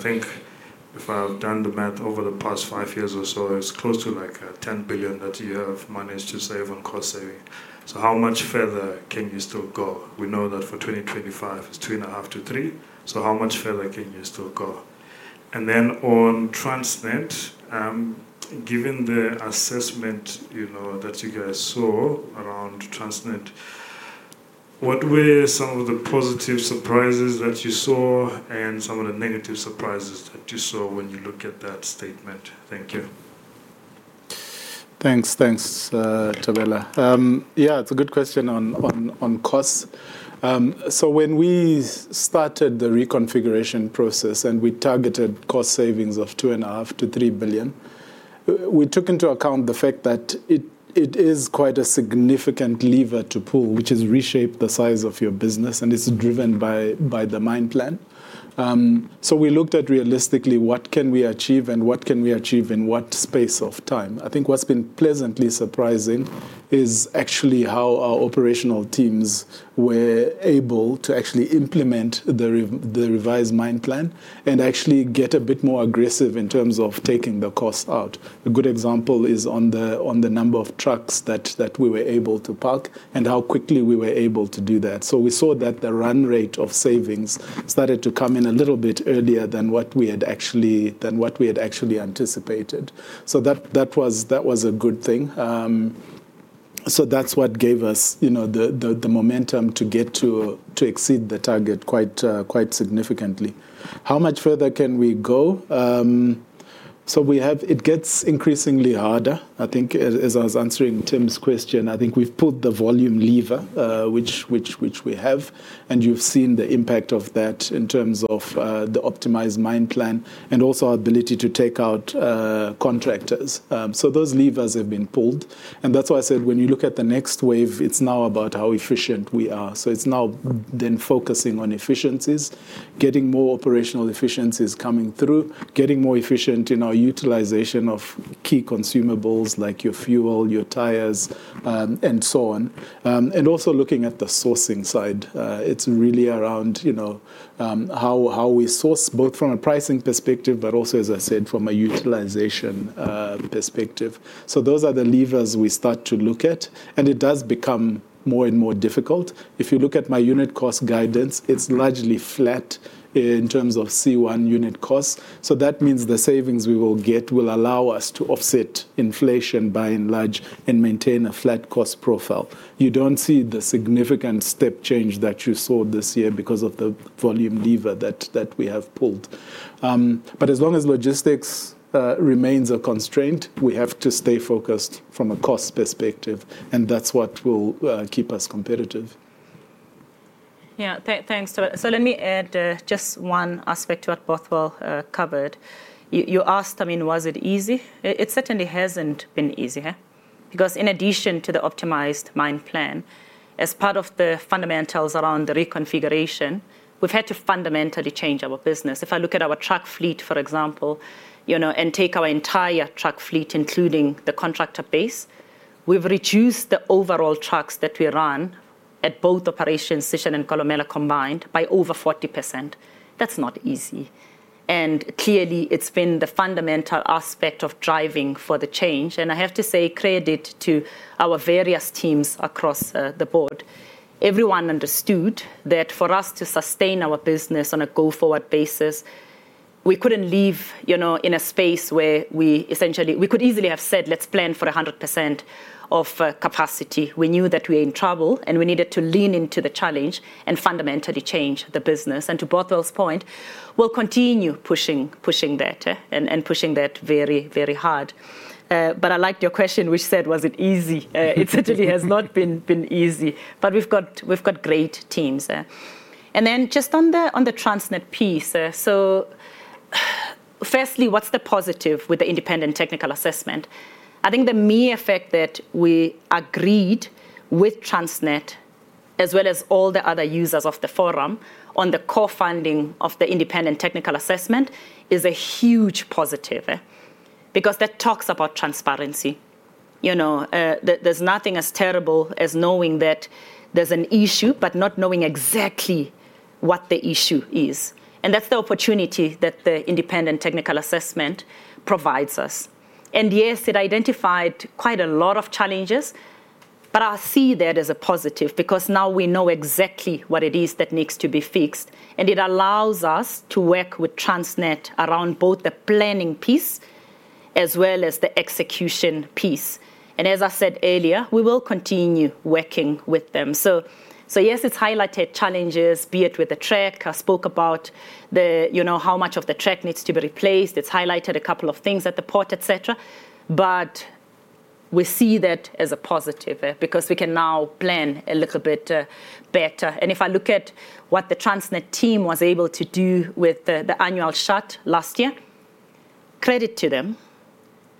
think if I've done the math over the past five years or so, it's close to like 10 billion that you have managed to save on cost saving. So how much further can you still go? We know that for 2025, it's 2.5-3. So how much further can you still go? And then on Transnet, given the assessment that you guys saw around Transnet, what were some of the positive surprises that you saw and some of the negative surprises that you saw when you look at that statement? Thank you. Thanks, thanks, Bella. Yeah, it's a good question on cost, so when we started the reconfiguration process and we targeted cost savings of 2.5 billion-3 billion, we took into account the fact that it is quite a significant lever to pull, which has reshaped the size of your business, and it's driven by the mine plan, so we looked at realistically what can we achieve and what can we achieve in what space of time. I think what's been pleasantly surprising is actually how our operational teams were able to actually implement the revised mine plan and actually get a bit more aggressive in terms of taking the cost out. A good example is on the number of trucks that we were able to park and how quickly we were able to do that. So we saw that the run rate of savings started to come in a little bit earlier than what we had actually anticipated. So that was a good thing. So that's what gave us the momentum to get to exceed the target quite significantly. How much further can we go? So it gets increasingly harder. I think as I was answering Tim's question, I think we've pulled the volume lever, which we have. And you've seen the impact of that in terms of the optimized mine plan and also our ability to take out contractors. So those levers have been pulled. And that's why I said when you look at the next wave, it's now about how efficient we are. So it's now then focusing on efficiencies, getting more operational efficiencies coming through, getting more efficient in our utilization of key consumables like your fuel, your tires, and so on. And also looking at the sourcing side, it's really around how we source both from a pricing perspective, but also, as I said, from a utilization perspective. So those are the levers we start to look at. And it does become more and more difficult. If you look at my unit cost guidance, it's largely flat in terms of C1 unit costs. So that means the savings we will get will allow us to offset inflation by and large and maintain a flat cost profile. You don't see the significant step change that you saw this year because of the volume lever that we have pulled. But as long as logistics remains a constraint, we have to stay focused from a cost perspective. And that's what will keep us competitive. Yeah, thanks. [inaudible] So let me add just one aspect to what both of you covered. You asked, I mean, was it easy? It certainly hasn't been easy. Because in addition to the optimized mine plan, as part of the fundamentals around the reconfiguration, we've had to fundamentally change our business. If I look at our truck fleet, for example, and take our entire truck fleet, including the contractor base, we've reduced the overall trucks that we run at both operations, Sishen and Kolumela combined, by over 40%. That's not easy, and clearly, it's been the fundamental aspect of driving for the change, and I have to say credit to our various teams across the board. Everyone understood that for us to sustain our business on a go-forward basis, we couldn't leave in a space where we essentially we could easily have said, let's plan for 100% of capacity. We knew that we were in trouble. And we needed to lean into the challenge and fundamentally change the business. And to both of you's point, we'll continue pushing that and pushing that very, very hard. But I liked your question, which said, was it easy? It certainly has not been easy. But we've got great teams. And then just on the Transnet piece, so firstly, what's the positive with the independent technical assessment? I think the main effect that we agreed with Transnet, as well as all the other users of the forum, on the co-funding of the independent technical assessment is a huge positive. Because that talks about transparency. There's nothing as terrible as knowing that there's an issue, but not knowing exactly what the issue is. And that's the opportunity that the independent technical assessment provides us. And yes, it identified quite a lot of challenges. But I see that as a positive because now we know exactly what it is that needs to be fixed. And it allows us to work with Transnet around both the planning piece as well as the execution piece. And as I said earlier, we will continue working with them. So yes, it's highlighted challenges, be it with the track. I spoke about how much of the track needs to be replaced. It's highlighted a couple of things at the port, et cetera. But we see that as a positive because we can now plan a little bit better. And if I look at what the Transnet team was able to do with the annual shutdown last year, credit to them.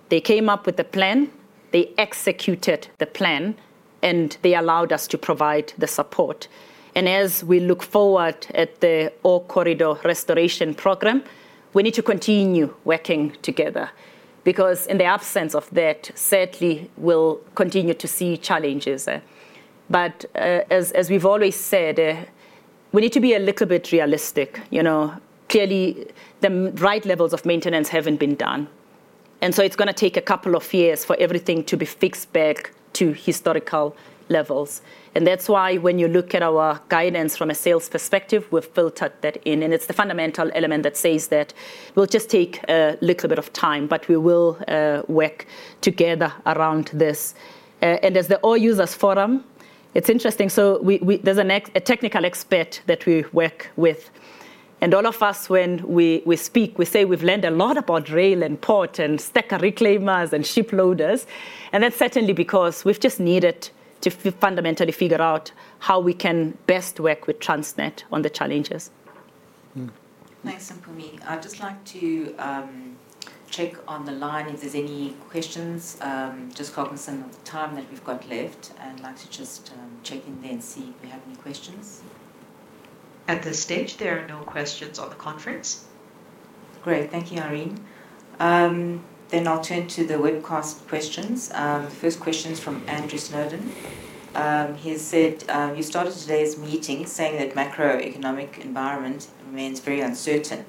They came up with the plan. They executed the plan. And they allowed us to provide the support. And as we look forward at the Ore Corridor Restoration Program, we need to continue working together. Because in the absence of that, certainly, we'll continue to see challenges. But as we've always said, we need to be a little bit realistic. Clearly, the right levels of maintenance haven't been done. And so it's going to take a couple of years for everything to be fixed back to historical levels. And that's why when you look at our guidance from a sales perspective, we've built that in. And it's the fundamental element that says that we'll just take a little bit of time. But we will work together around this. And as the Ore Users' Forum, it's interesting. So there's a technical expert that we work with. And all of us, when we speak, we say we've learned a lot about rail and port and stacker reclaimers and shiploaders. And that's certainly because we've just needed to fundamentally figure out how we can best work with Transnet on the challenges. Thanks, Mpumi. I'd just like to check on the line if there's any questions. Just cognizant of the time that we've got left. And I'd like to just check in there and see if we have any questions. At this stage, there are no questions on the conference. Great. Thank you, Irene. Then I'll turn to the webcast questions. First question is from Andrew Snowdowne. He has said, you started today's meeting saying that macroeconomic environment remains very uncertain.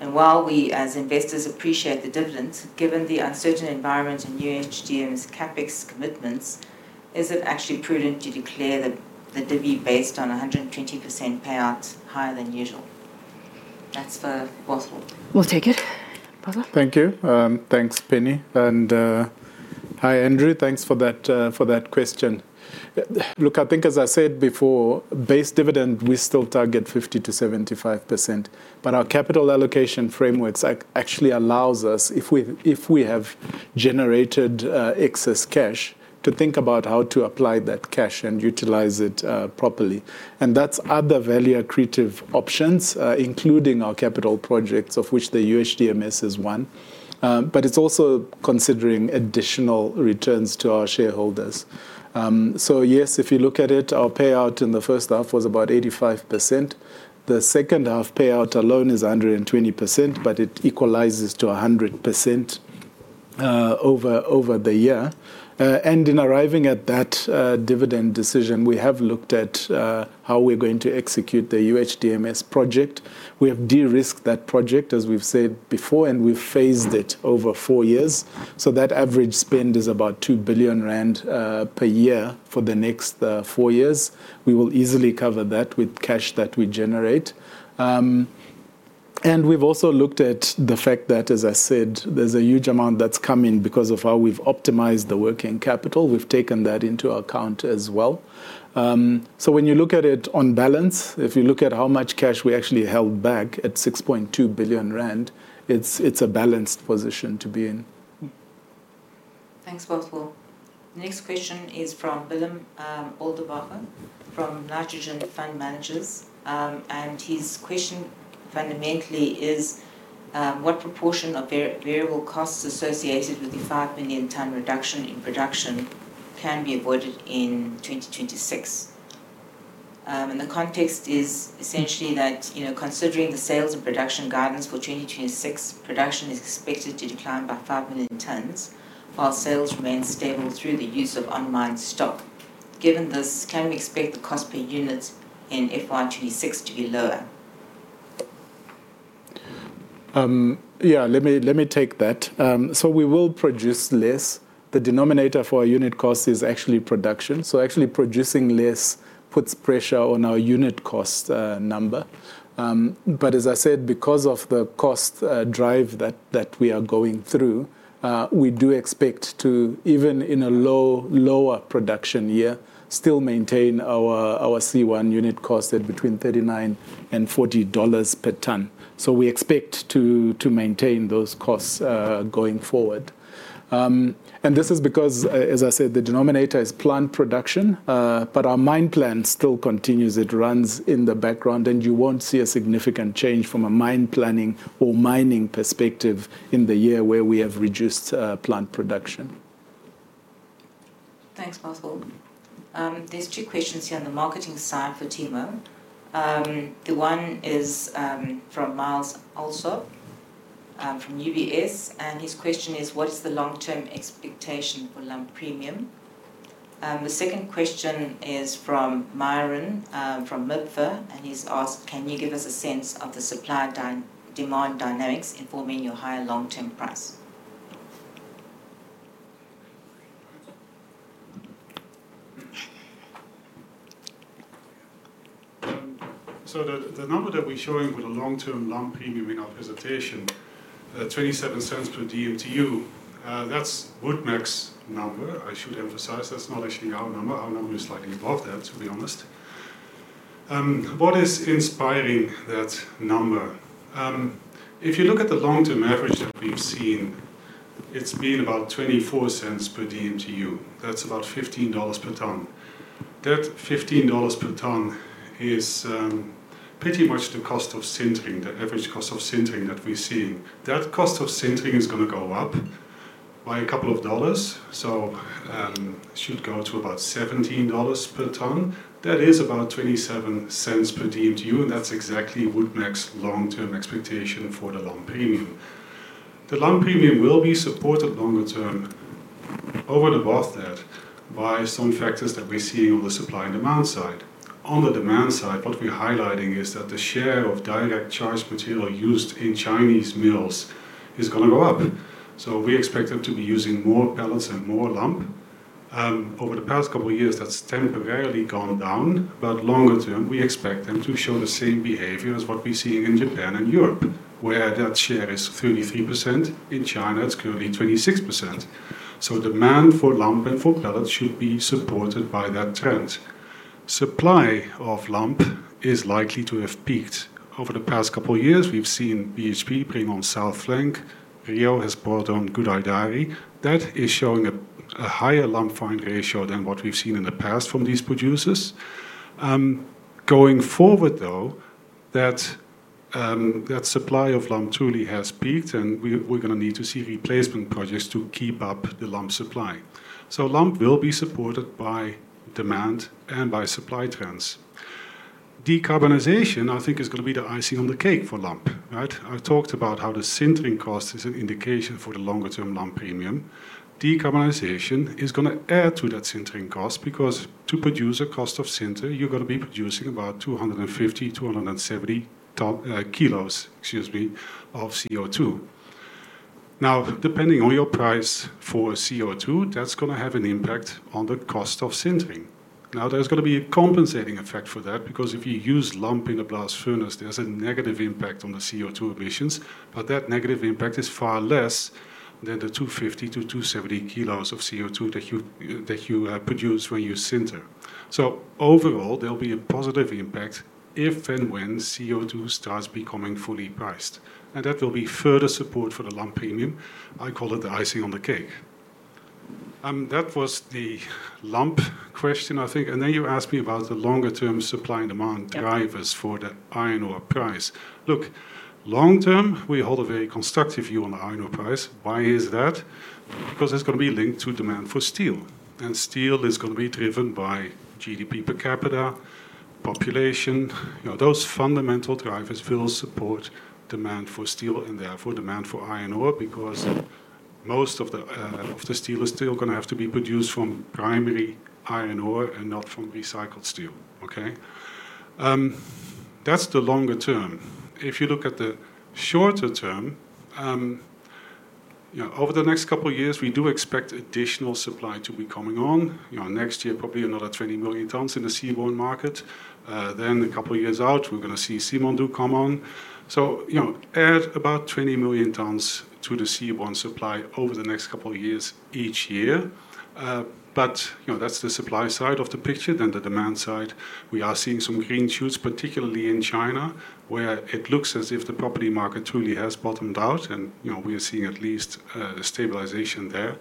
And while we as investors appreciate the dividends, given the uncertain environment and UHDMS's CapEx commitments, is it actually prudent to declare the divvy based on 120% payout higher than usual? That's for Bothwell. We'll take it. Bothwell. Thank you. Thanks, Penny. And hi, Andrew. Thanks for that question. Look, I think as I said before, base dividend, we still target 50%-75%. But our capital allocation frameworks actually allows us, if we have generated excess cash, to think about how to apply that cash and utilize it properly. And that's other value-accretive options, including our capital projects, of which the UHDMS is one. But it's also considering additional returns to our shareholders. So yes, if you look at it, our payout in the first half was about 85%. The second half payout alone is 120%. But it equalizes to 100% over the year. And in arriving at that dividend decision, we have looked at how we're going to execute the UHDMS project. We have de-risked that project, as we've said before. And we've phased it over four years. So that average spend is about 2 billion rand per year for the next four years. We will easily cover that with cash that we generate. And we've also looked at the fact that, as I said, there's a huge amount that's come in because of how we've optimized the working capital. We've taken that into account as well. So when you look at it on balance, if you look at how much cash we actually held back at 6.2 billion rand, it's a balanced position to be in. Thanks, Bothwell. Next question is from Willem Oldewage from Nitrogen Fund Managers. And his question fundamentally is, what proportion of variable costs associated with the 5 million tons reduction in production can be avoided in 2026? And the context is essentially that considering the sales and production guidance for 2026, production is expected to decline by 5 million tons, while sales remain stable through the use of unmined stock. Given this, can we expect the cost per unit in FY 2026 to be lower? Yeah, let me take that. So we will produce less. The denominator for our unit cost is actually production. So actually producing less puts pressure on our unit cost number. But as I said, because of the cost drive that we are going through, we do expect to, even in a lower production year, still maintain our C1 unit cost at between $39 and $40 per ton. So we expect to maintain those costs going forward. And this is because, as I said, the denominator is plant production. But our mine plan still continues. It runs in the background. And you won't see a significant change from a mine planning or mining perspective in the year where we have reduced plant production. Thanks, Bothwell. There's two questions here on the marketing side for Timo. The one is from Myles Allsop from UBS. And his question is, what is the long-term expectation for lump premium? The second question is from Myron from MIBFA. And he's asked, can you give us a sense of the supply demand dynamics informing your higher long-term price? So the number that we're showing with the long-term lump premium in our presentation, $0.27 per DMTU, that's Wood Mac's number. I should emphasize that's not actually our number. Our number is slightly above that, to be honest. What is inspiring that number? If you look at the long-term average that we've seen, it's been about $0.24 per DMTU. That's about $15 per ton. That $15 per ton is pretty much the cost of sintering, the average cost of sintering that we're seeing. That cost of sintering is going to go up by a couple of dollars. It should go to about $17 per ton. That is about $0.27 per DMTU. And that's exactly Wood Mac's long-term expectation for the lump premium. The lump premium will be supported longer term over and above that by some factors that we're seeing on the supply and demand side. On the demand side, what we're highlighting is that the share of direct charge material used in Chinese mills is going to go up. We expect them to be using more pellets and more lump. Over the past couple of years, that's temporarily gone down. But longer term, we expect them to show the same behavior as what we're seeing in Japan and Europe, where that share is 33%. In China, it's currently 26%. Demand for lump and for pellets should be supported by that trend. Supply of lump is likely to have peaked. Over the past couple of years, we've seen BHP bring on South Flank. Rio has brought on Gudai-Darri. That is showing a higher lump fine ratio than what we've seen in the past from these producers. Going forward, though, that supply of lump truly has peaked. And we're going to need to see replacement projects to keep up the lump supply. So lump will be supported by demand and by supply trends. Decarbonization, I think, is going to be the icing on the cake for lump. I talked about how the sintering cost is an indication for the longer-term lump premium. Decarbonization is going to add to that sintering cost. Because to produce a tonne of sinter, you're going to be producing about 250 kg-270 kg of CO2. Now, depending on your price for CO2, that's going to have an impact on the cost of sintering. Now, there's going to be a compensating effect for that. Because if you use lump in a blast furnace, there's a negative impact on the CO2 emissions. But that negative impact is far less than the 250 kg-270 kg of CO2 that you produce when you sinter. So overall, there'll be a positive impact if and when CO2 starts becoming fully priced. And that will be further support for the lump premium. I call it the icing on the cake. That was the lump question, I think. And then you asked me about the longer-term supply and demand drivers for the iron ore price. Look, long-term, we hold a very constructive view on the Iron Ore price. Why is that? Because it's going to be linked to demand for steel. And steel is going to be driven by GDP per capita, population. Those fundamental drivers will support demand for steel and therefore demand for iron ore. Because most of the steel is still going to have to be produced from primary iron ore and not from recycled steel. That's the longer term. If you look at the shorter term, over the next couple of years, we do expect additional supply to be coming on. Next year, probably another 20 million tons in the C1 market. Then a couple of years out, we're going to see Simandou come on. So add about 20 million tons to the C1 supply over the next couple of years each year. But that's the supply side of the picture, then the demand side, we are seeing some green shoots, particularly in China, where it looks as if the property market truly has bottomed out, and we are seeing at least stabilization there.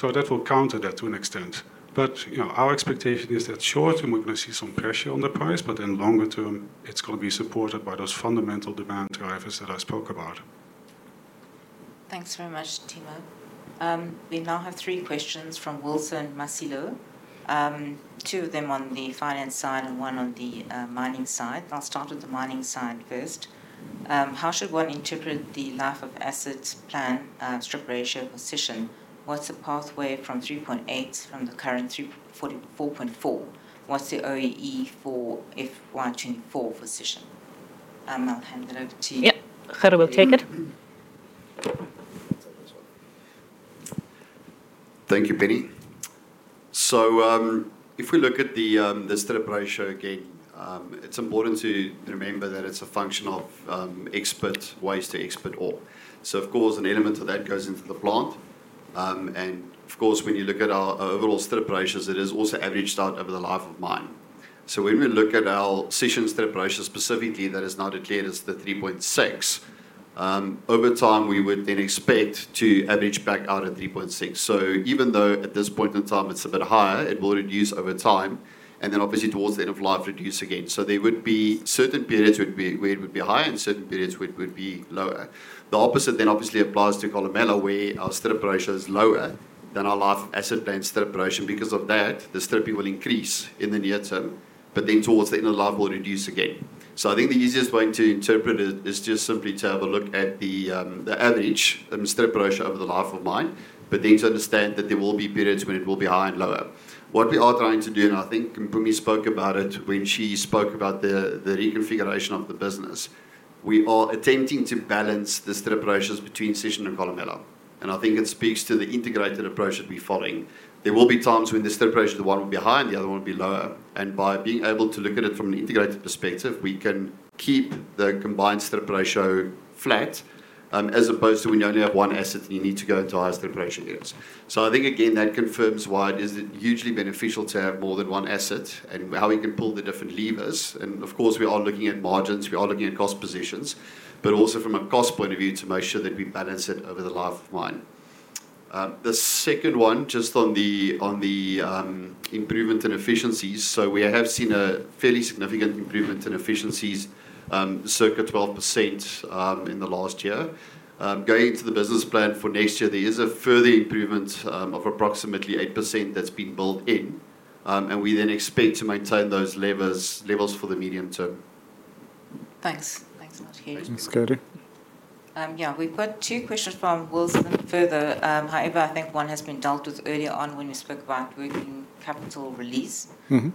That will counter that to an extent. But our expectation is that short term, we're going to see some pressure on the price. But then longer term, it's going to be supported by those fundamental demand drivers that I spoke about. Thanks very much, Timo. We now have three questions from Wilson Masilo. Two of them on the finance side and one on the mining side. I'll start with the mining side first. How should one interpret the life of assets plan stripping ratio position? What's the pathway from 3.8 from the current 4.4? What's the OEE for FY 2024 position? I'll hand it over to you. Yeah, Gerrie, take it. Thank you, Penny. So if we look at the stripping ratio again, it's important to remember that it's a function of waste to ore. So of course, an element of that goes into the plant. Of course, when you look at our overall strip ratios, it is also averaged out over the life of mine. When we look at our Sishen strip ratio specifically, that is now declared as the 3.6. Over time, we would then expect to average back out at 3.6. Even though at this point in time, it's a bit higher, it will reduce over time. Obviously, towards the end of life, reduce again. There would be certain periods where it would be higher and certain periods where it would be lower. The opposite then obviously applies to Kolumela, where our strip ratio is lower than our life-of-mine plan strip ratio. Because of that, the stripping will increase in the near term. Towards the end of life, we'll reduce again. I think the easiest way to interpret it is just simply to have a look at the average and strip ratio over the life of mine. But then to understand that there will be periods when it will be higher and lower. What we are trying to do, and I think Mpumi spoke about it when she spoke about the reconfiguration of the business, we are attempting to balance the strip ratios between Sishen and Kolumela. And I think it speaks to the integrated approach that we're following. There will be times when the strip ratio of the one will be high and the other one will be lower. And by being able to look at it from an integrated perspective, we can keep the combined strip ratio flat, as opposed to when you only have one asset and you need to go into higher strip ratio units. So I think, again, that confirms why it is hugely beneficial to have more than one asset and how we can pull the different levers. And of course, we are looking at margins. We are looking at cost positions, but also from a cost point of view to make sure that we balance it over the life of mine. The second one, just on the improvement in efficiencies. So we have seen a fairly significant improvement in efficiencies, circa 12% in the last year. Going into the business plan for next year, there is a further improvement of approximately 8% that's been built in. And we then expect to maintain those levels for the medium term. Thanks. Thanks so much, Gerrie. Thanks, Gerrie. Yeah, we've got two questions from Wilson further. However, I think one has been dealt with earlier on when we spoke about working capital release. Then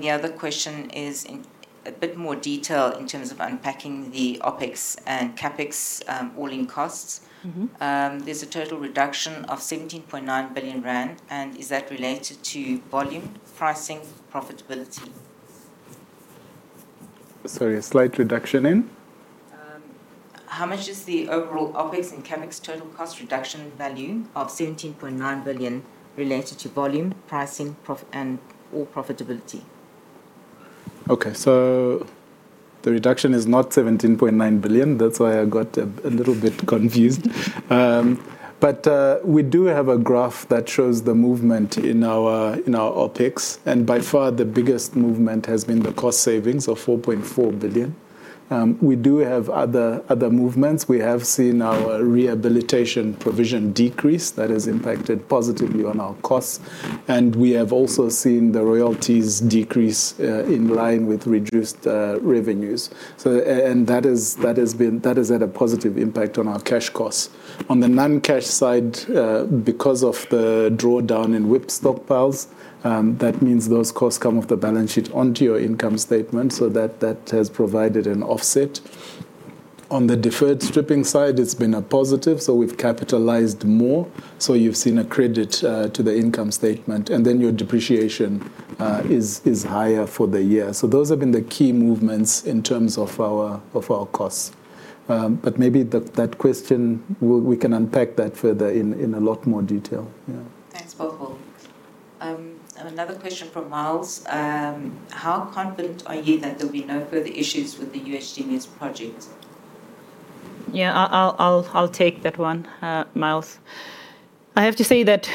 the other question is in a bit more detail in terms of unpacking the OpEx and CapEx all-in costs. There's a total reduction of 17.9 billion rand. Is that related to volume, pricing, profitability? Sorry, a slight reduction in? How much is the overall OpEx and CapEx total cost reduction value of 17.9 billion related to volume, pricing, and/or profitability? Okay, so the reduction is not 17.9 billion. That's why I got a little bit confused. We do have a graph that shows the movement in our OpEx. By far, the biggest movement has been the cost savings of 4.4 billion. We do have other movements. We have seen our rehabilitation provision decrease. That has impacted positively on our costs. We have also seen the royalties decrease in line with reduced revenues. That has had a positive impact on our cash costs. On the non-cash side, because of the drawdown in WIP stockpiles, that means those costs come off the balance sheet onto your income statement. So that has provided an offset. On the deferred stripping side, it's been a positive. So we've capitalized more. So you've seen a credit to the income statement, and then your depreciation is higher for the year. So those have been the key movements in terms of our costs. But maybe that question, we can unpack that further in a lot more detail. Thanks, Bothwell. Another question from Myles. How confident are you that there'll be no further issues with the UHDMS's project? Yeah, I'll take that one, Myles. I have to say that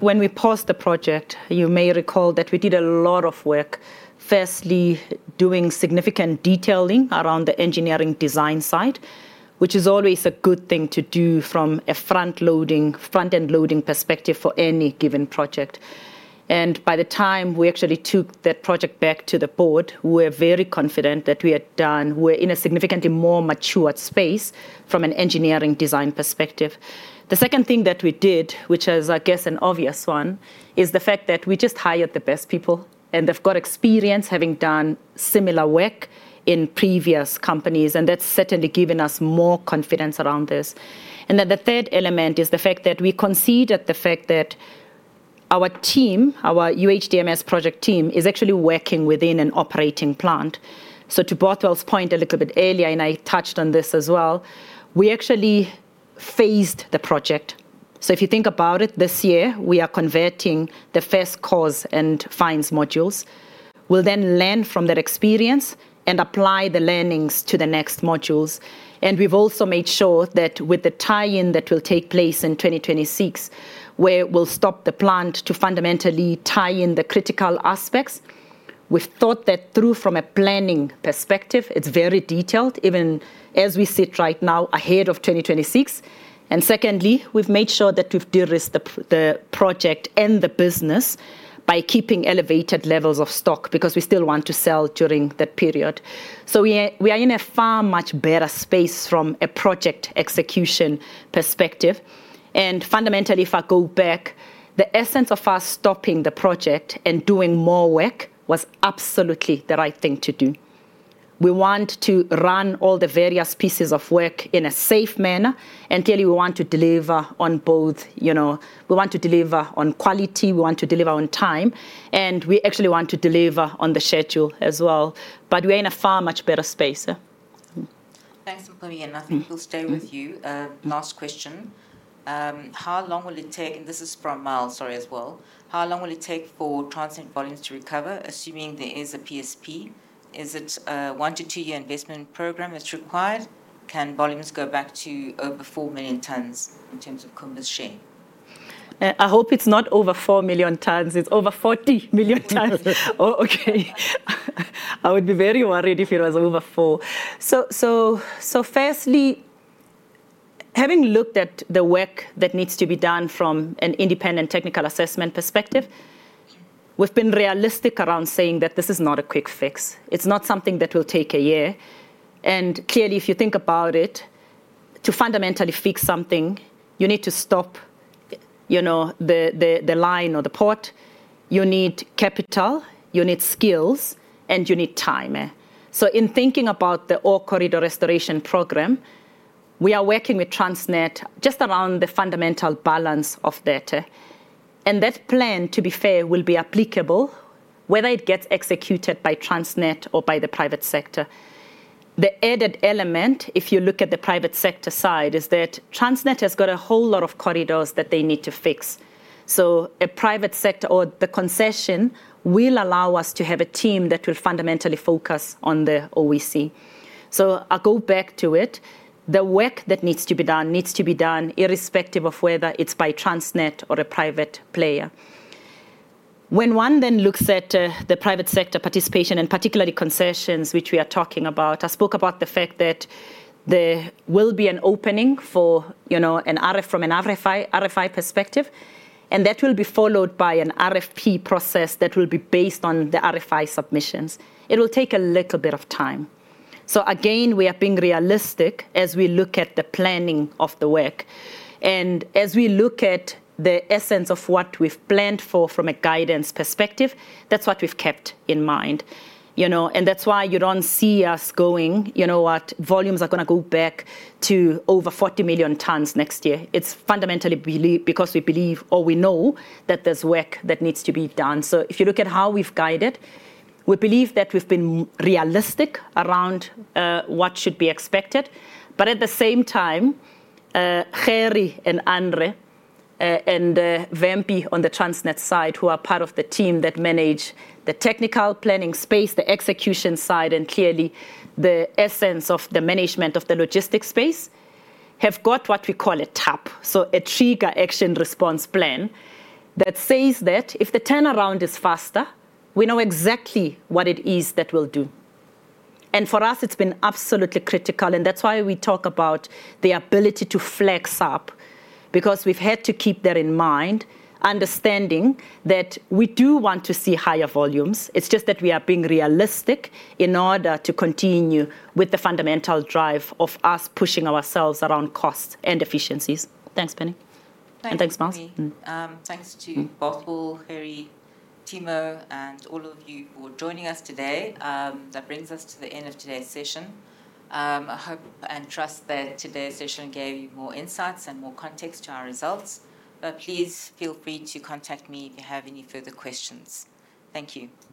when we paused the project, you may recall that we did a lot of work, firstly doing significant detailing around the engineering design side, which is always a good thing to do from a front-end loading perspective for any given project. By the time we actually took that project back to the board, we were very confident that we were in a significantly more matured space from an engineering design perspective. The second thing that we did, which is, I guess, an obvious one, is the fact that we just hired the best people. They've got experience having done similar work in previous companies. That's certainly given us more confidence around this. Then the third element is the fact that we considered the fact that our team, our UHDMS project team, is actually working within an operating plant. To Bothwell's point a little bit earlier, and I touched on this as well, we actually phased the project. If you think about it, this year, we are converting the first coarse and fines modules. We'll then learn from that experience and apply the learnings to the next modules. We've also made sure that with the tie-in that will take place in 2026, where we'll stop the plant to fundamentally tie in the critical aspects, we've thought that through from a planning perspective. It's very detailed, even as we sit right now ahead of 2026. Secondly, we've made sure that we've de-risked the project and the business by keeping elevated levels of stock because we still want to sell during that period. We are in a far much better space from a project execution perspective. And fundamentally, if I go back, the essence of us stopping the project and doing more work was absolutely the right thing to do. We want to run all the various pieces of work in a safe manner. And clearly, we want to deliver on both. We want to deliver on quality. We want to deliver on time. And we actually want to deliver on the schedule as well. But we are in a far much better space. Thanks, Mpumi. And I think we'll stay with you. Last question. How long will it take? And this is from Myles, sorry, as well. How long will it take for Transnet volumes to recover, assuming there is a PSP? Is it a one- to two-year investment program that's required? Can volumes go back to over 4 million tons in terms of Kumba's share? I hope it's not over 4 million tons. It's over 40 million tons. Oh, okay. I would be very worried if it was over four. So firstly, having looked at the work that needs to be done from an independent technical assessment perspective, we've been realistic around saying that this is not a quick fix. It's not something that will take a year. And clearly, if you think about it, to fundamentally fix something, you need to stop the line or the port. You need capital. You need skills. And you need time. So in thinking about the Ore Corridor RestorationProgram, we are working with Transnet just around the fundamental balance of that. And that plan, to be fair, will be applicable whether it gets executed by Transnet or by the private sector. The added element, if you look at the private sector side, is that Transnet has got a whole lot of corridors that they need to fix, so a private sector or the concession will allow us to have a team that will fundamentally focus on the OEC, so I'll go back to it. The work that needs to be done needs to be done irrespective of whether it's by Transnet or a private player. When one then looks at the Private Sector Participation and particularly concessions, which we are talking about, I spoke about the fact that there will be an opening for an RFI from an RFI perspective, and that will be followed by an RFP process that will be based on the RFI submissions. It will take a little bit of time, so again, we are being realistic as we look at the planning of the work. As we look at the essence of what we've planned for from a guidance perspective, that's what we've kept in mind. And that's why you don't see us going at volumes are going to go back to over 40 million tons next year. It's fundamentally because we believe or we know that there's work that needs to be done. If you look at how we've guided, we believe that we've been realistic around what should be expected. At the same time, Gerrie and Andre and Vampi on the Transnet side, who are part of the team that manage the technical planning space, the execution side, and clearly the essence of the management of the logistics space, have got what we call a TARP, so a Trigger Action Response Plan, that says that if the turnaround is faster, we know exactly what it is that we'll do. And for us, it's been absolutely critical. And that's why we talk about the ability to flex up, because we've had to keep that in mind, understanding that we do want to see higher volumes. It's just that we are being realistic in order to continue with the fundamental drive of us pushing ourselves around cost and efficiencies. Thanks, Penny. And thanks, Myles. Thanks to Bothwell, Gerrie, Timo, and all of you for joining us today. That brings us to the end of today's session. I hope and trust that today's session gave you more insights and more context to our results. But please feel free to contact me if you have any further questions. Thank you.